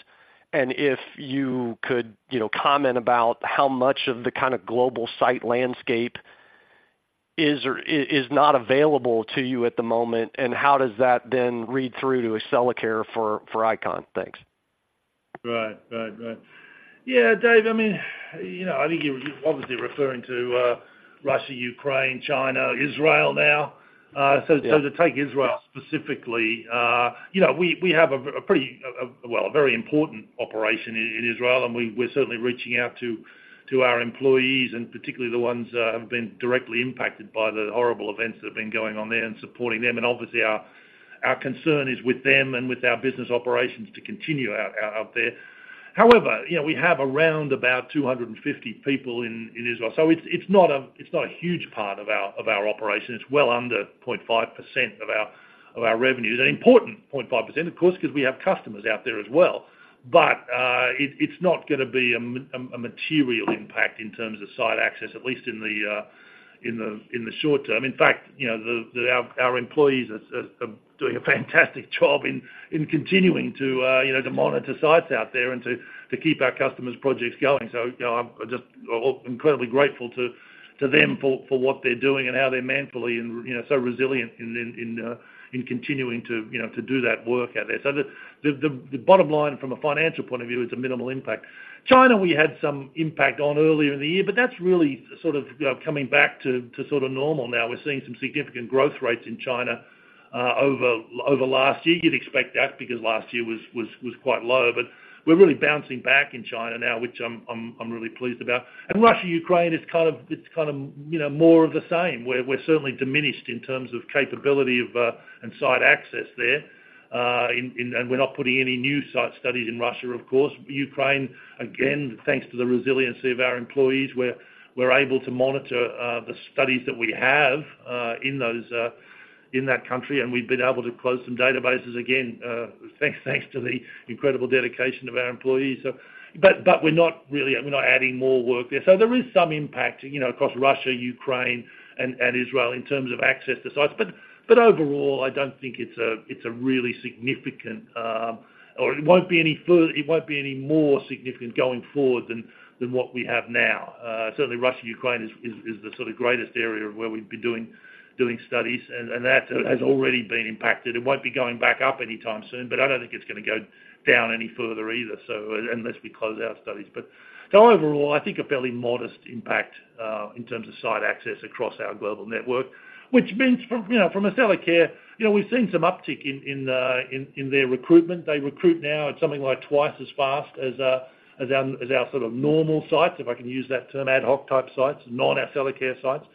And if you could, you know, comment about how much of the kind of global site landscape is or is not available to you at the moment, and how does that then read through to Accellacare for ICON? Thanks. Right. Right. Right. Yeah, Dave, I mean, you know, I think you're obviously referring to Russia, Ukraine, China, Israel now. Yeah. So to take Israel specifically, you know, we have a pretty, well, a very important operation in Israel, and we're certainly reaching out to our employees, and particularly the ones have been directly impacted by the horrible events that have been going on there and supporting them. And obviously, our concern is with them and with our business operations to continue out there. However, you know, we have around about 250 people in Israel, so it's not a huge part of our operation. It's well under 0.5% of our revenues. An important 0.5%, of course, 'cause we have customers out there as well. But, it's not gonna be a material impact in terms of site access, at least in the short term. In fact, you know, our employees are doing a fantastic job in continuing to, you know, to monitor sites out there and to keep our customers' projects going. So, you know, I'm just incredibly grateful to them for what they're doing and how they're manfully and, you know, so resilient in continuing to, you know, to do that work out there. So the bottom line from a financial point of view is a minimal impact. China, we had some impact on earlier in the year, but that's really sort of coming back to sort of normal now. We're seeing some significant growth rates in China, over last year. You'd expect that because last year was quite low, but we're really bouncing back in China now, which I'm really pleased about. And Russia, Ukraine, it's kind of, you know, more of the same. We're certainly diminished in terms of capability and site access there, and we're not putting any new site studies in Russia, of course. Ukraine, again, thanks to the resiliency of our employees, we're able to monitor the studies that we have in that country, and we've been able to close some databases again, thanks to the incredible dedication of our employees. So, but we're not really - we're not adding more work there. So there is some impact, you know, across Russia, Ukraine, and Israel in terms of access to sites. But overall, I don't think it's a really significant, or it won't be any more significant going forward than what we have now. Certainly, Russia, Ukraine is the sort of greatest area of where we've been doing studies, and that has already been impacted. It won't be going back up anytime soon, but I don't think it's gonna go down any further either, so unless we close our studies. But overall, I think a fairly modest impact in terms of site access across our global network, which means from, you know, from Accellacare, you know, we've seen some uptick in their recruitment. They recruit now at something like twice as fast as our sort of normal sites, if I can use that term, ad hoc type sites, non-Accellacare sites,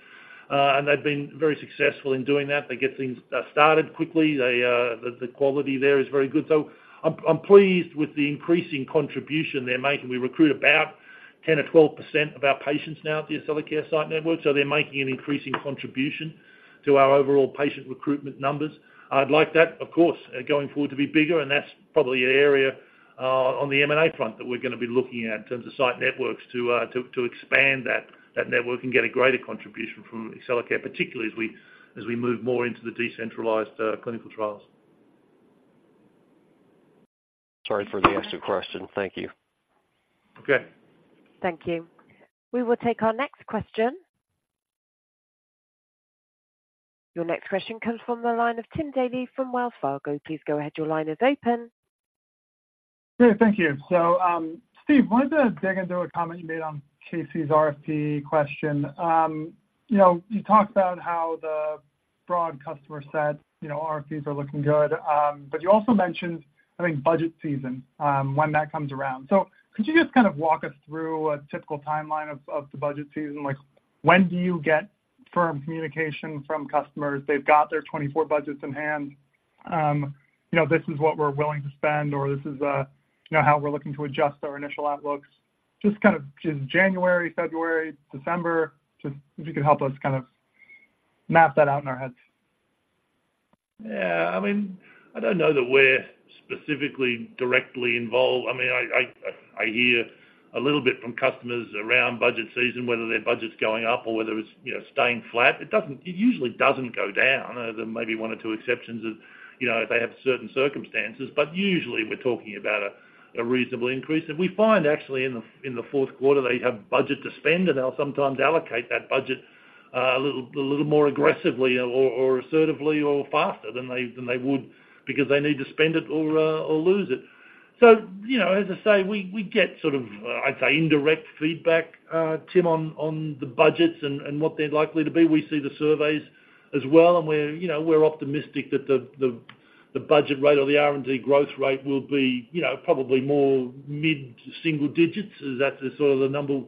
and they've been very successful in doing that. They get things started quickly. The quality there is very good. So I'm pleased with the increasing contribution they're making. We recruit about 10 or 12% of our patients now at the Accellacare site network, so they're making an increasing contribution to our overall patient recruitment numbers. I'd like that, of course, going forward to be bigger, and that's probably an area on the M&A front that we're gonna be looking at in terms of site networks to expand that network and get a greater contribution from Accellacare, particularly as we move more into the decentralized clinical trials. Sorry for the extra question. Thank you. Okay. Thank you. We will take our next question. Your next question comes from the line of Tim Daley from Wells Fargo. Please go ahead. Your line is open. Hey, thank you. So, Steve, wanted to dig into a comment you made on Casey's RFP question. You know, you talked about how the broad customer set, you know, RFPs are looking good. But you also mentioned, I think, budget season, when that comes around. So could you just kind of walk us through a typical timeline of the budget season? Like, when do you get firm communication from customers? They've got their 2024 budgets in hand, you know, this is what we're willing to spend, or this is, you know, how we're looking to adjust our initial outlooks. Just kind of, just January, February, December, just if you could help us kind of map that out in our heads. Yeah, I mean, I don't know that we're specifically directly involved. I mean, I hear a little bit from customers around budget season, whether their budget's going up or whether it's, you know, staying flat. It doesn't. It usually doesn't go down. Other than maybe one or two exceptions, that, you know, they have certain circumstances, but usually we're talking about a reasonable increase. And we find actually in the fourth quarter, they have budget to spend, and they'll sometimes allocate that budget a little more aggressively or assertively or faster than they would because they need to spend it or lose it. So, you know, as I say, we get sort of, I'd say, indirect feedback, Tim, on the budgets and what they're likely to be. We see the surveys as well, and we're, you know, we're optimistic that the budget rate or the R&D growth rate will be, you know, probably more mid-single digits. That's the sort of number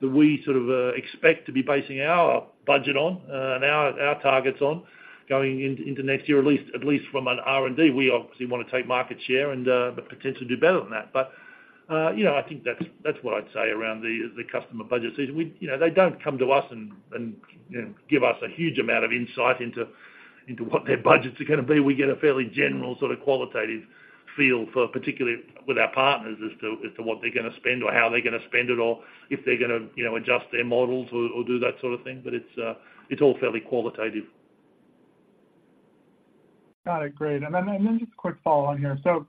that we sort of expect to be basing our budget on, and our targets on, going into next year, at least from an R&D. We obviously want to take market share and, but potentially do better than that. But, you know, I think that's what I'd say around the customer budget season. You know, they don't come to us and, you know, give us a huge amount of insight into what their budgets are gonna be. We get a fairly general sort of qualitative feel for, particularly with our partners, as to, as to what they're gonna spend or how they're gonna spend it, or if they're gonna, you know, adjust their models or, or do that sort of thing. But it's, it's all fairly qualitative. Got it. Great. And then just a quick follow-on here. So,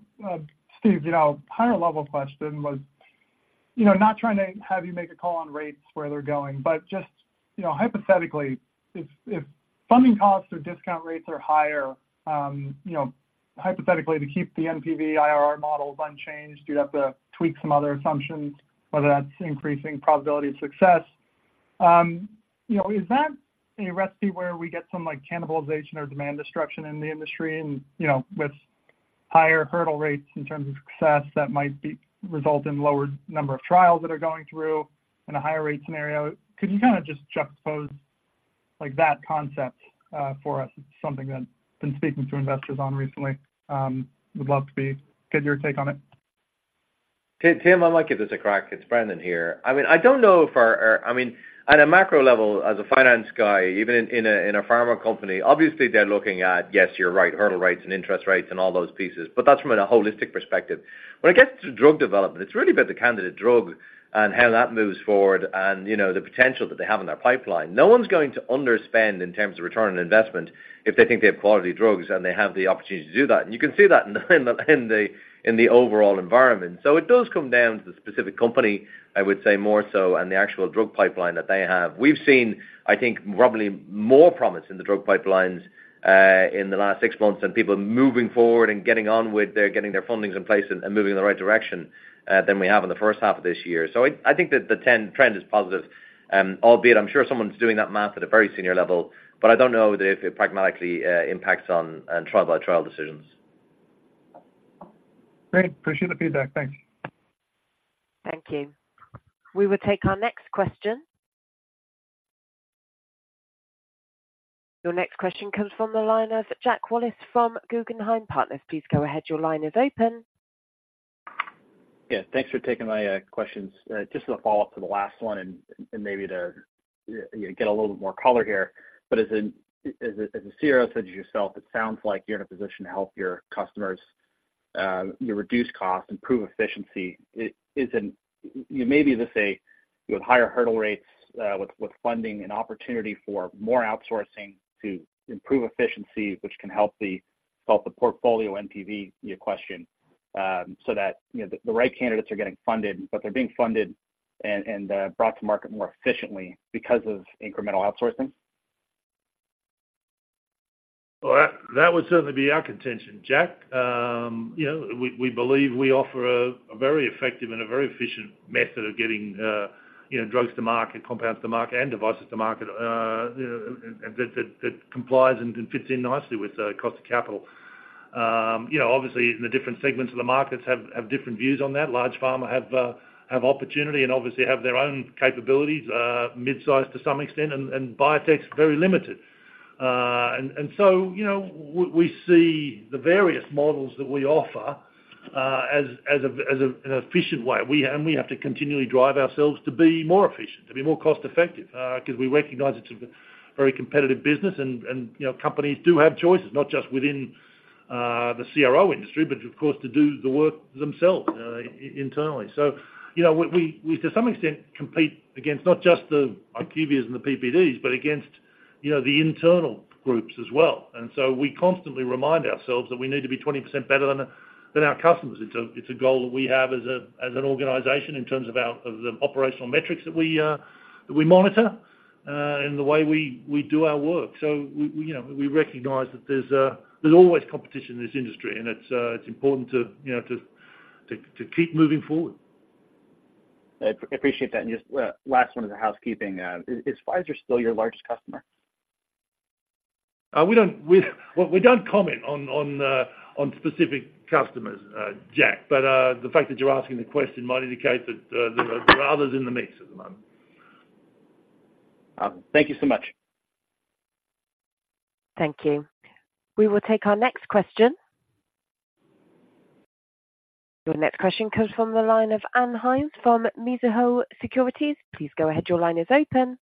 Steve, you know, higher level question was, you know, not trying to have you make a call on rates where they're going, but just, you know, hypothetically, if funding costs or discount rates are higher, you know, hypothetically, to keep the NPV IRR models unchanged, do you have to tweak some other assumptions, whether that's increasing probability of success? You know, is that a recipe where we get some, like, cannibalization or demand destruction in the industry and, you know, with higher hurdle rates in terms of success, that might result in lower number of trials that are going through in a higher rate scenario? Could you kinda just juxtapose, like, that concept, for us? It's something I've been speaking to investors on recently. Would love to get your take on it? Tim, Tim, I might give this a crack. It's Brendan here. I mean, I don't know if our... I mean, at a macro level, as a finance guy, even in a pharma company, obviously they're looking at, yes, you're right, hurdle rates and interest rates and all those pieces, but that's from a holistic perspective. When it gets to drug development, it's really about the candidate drug and how that moves forward and, you know, the potential that they have in their pipeline. No one's going to underspend in terms of return on investment if they think they have quality drugs and they have the opportunity to do that. And you can see that in the overall environment. So it does come down to the specific company, I would say, more so, and the actual drug pipeline that they have. We've seen, I think, probably more promise in the drug pipelines in the last six months, and people moving forward and getting on with their getting their fundings in place and moving in the right direction than we have in the first half of this year. So I think that the trend is positive. Albeit, I'm sure someone's doing that math at a very senior level, but I don't know that it pragmatically impacts on trial by trial decisions. Great. Appreciate the feedback. Thanks. Thank you. We will take our next question. Your next question comes from the line of Jack Wallace from Guggenheim Partners. Please go ahead. Your line is open. Yeah, thanks for taking my questions. Just as a follow-up to the last one and maybe to, you know, get a little bit more color here. But as the CRO said to yourself, it sounds like you're in a position to help your customers, you know, reduce costs, improve efficiency. You may be able to say, you have higher hurdle rates with funding and opportunity for more outsourcing to improve efficiency, which can help the portfolio NPV, your question, so that, you know, the right candidates are getting funded, but they're being funded and brought to market more efficiently because of incremental outsourcing? Well, that would certainly be our contention, Jack. You know, we believe we offer a very effective and a very efficient method of getting, you know, drugs to market, compounds to market, and devices to market, you know, that complies and fits in nicely with the cost of capital.... You know, obviously, the different segments of the markets have different views on that. Large pharma have opportunity and obviously have their own capabilities, mid-size to some extent, and biotech's very limited. So, you know, we see the various models that we offer as an efficient way. We have to continually drive ourselves to be more efficient, to be more cost-effective, because we recognize it's a very competitive business and, you know, companies do have choices, not just within the CRO industry, but, of course, to do the work themselves, internally. So, you know, we to some extent compete against not just the IQVIAs and the PPDs, but against, you know, the internal groups as well. We constantly remind ourselves that we need to be 20% better than our customers. It's a goal that we have as an organization in terms of our operational metrics that we monitor and the way we do our work. You know, we recognize that there's always competition in this industry, and it's important to, you know, to keep moving forward. I appreciate that. And just, last one is a housekeeping. Is Pfizer still your largest customer? Well, we don't comment on specific customers, Jack, but the fact that you're asking the question might indicate that there are others in the mix at the moment. Thank you so much. Thank you. We will take our next question. Your next question comes from the line of Ann Hynes from Mizuho Securities. Please go ahead. Your line is open.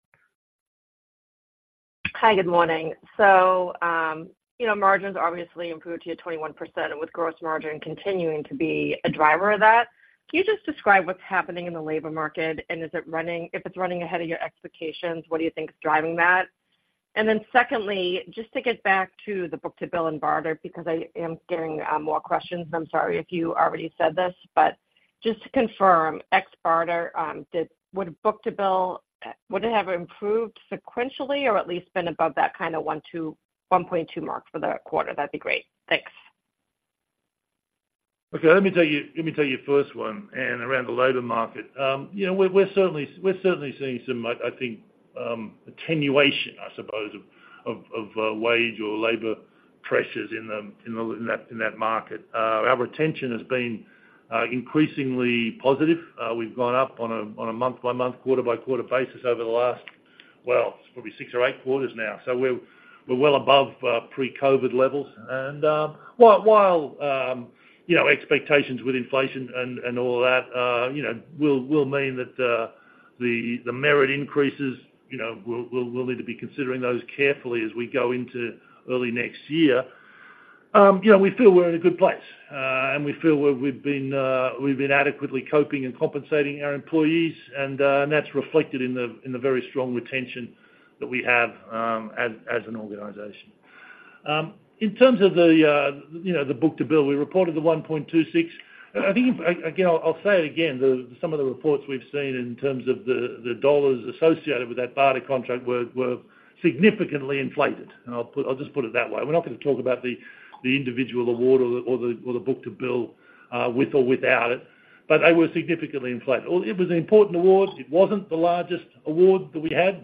Hi, good morning. You know, margins obviously improved to your 21%, and with gross margin continuing to be a driver of that, can you just describe what's happening in the labor market? Is it running-- If it's running ahead of your expectations, what do you think is driving that? Secondly, just to get back to the book-to-bill and BARDA, because I am getting more questions, and I'm sorry if you already said this, but just to confirm, ex-BARDA, did-- would a book-to-bill, would it have improved sequentially or at least been above that kind of 1-1.2 mark for the quarter? That'd be great. Thanks. Okay, let me tell you, let me tell you first one, Ann, around the labor market. You know, we're certainly seeing some, I think, attenuation, I suppose, of wage or labor pressures in that market. Our retention has been increasingly positive. We've gone up on a month-by-month, quarter-by-quarter basis over the last, well, probably six or eight quarters now. So we're well above pre-COVID levels. And, while you know, expectations with inflation and all of that, you know, will mean that the merit increases, you know, we'll need to be considering those carefully as we go into early next year. You know, we feel we're in a good place, and we feel we've been adequately coping and compensating our employees, and that's reflected in the very strong retention that we have, as an organization. In terms of the, you know, the book-to-bill, we reported 1.26x. I think, again, I'll say it again, some of the reports we've seen in terms of the dollars associated with that BARDA contract were significantly inflated. And I'll put it that way. We're not going to talk about the individual award or the book-to-bill with or without it, but they were significantly inflated. Well, it was an important award. It wasn't the largest award that we had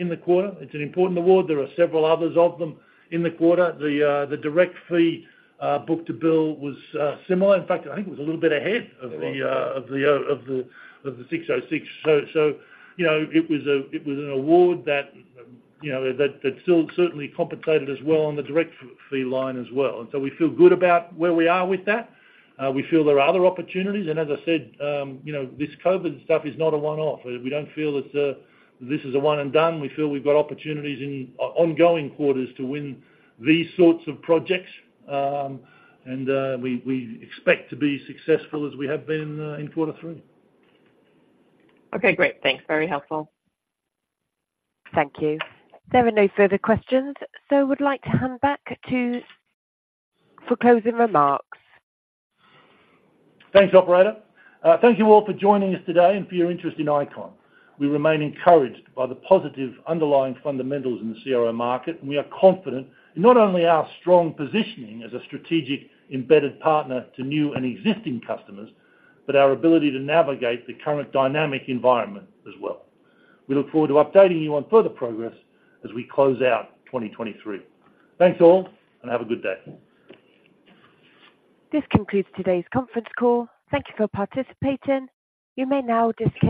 in the quarter. It's an important award. There are several others of them in the quarter. The direct fee book-to-bill was similar. In fact, I think it was a little bit ahead of the 606. So, you know, it was an award that, you know, that still certainly compensated as well on the direct fee line as well. And so we feel good about where we are with that. We feel there are other opportunities, and as I said, you know, this COVID stuff is not a one-off. We don't feel that this is a one and done. We feel we've got opportunities in ongoing quarters to win these sorts of projects. And we expect to be successful as we have been in quarter three. Okay, great. Thanks. Very helpful. Thank you. There are no further questions, so I would like to hand back to for closing remarks. Thanks, operator. Thank you all for joining us today and for your interest in ICON. We remain encouraged by the positive underlying fundamentals in the CRO market, and we are confident in not only our strong positioning as a strategic embedded partner to new and existing customers, but our ability to navigate the current dynamic environment as well. We look forward to updating you on further progress as we close out 2023. Thanks, all, and have a good day. This concludes today's conference call. Thank you for participating. You may now disconnect.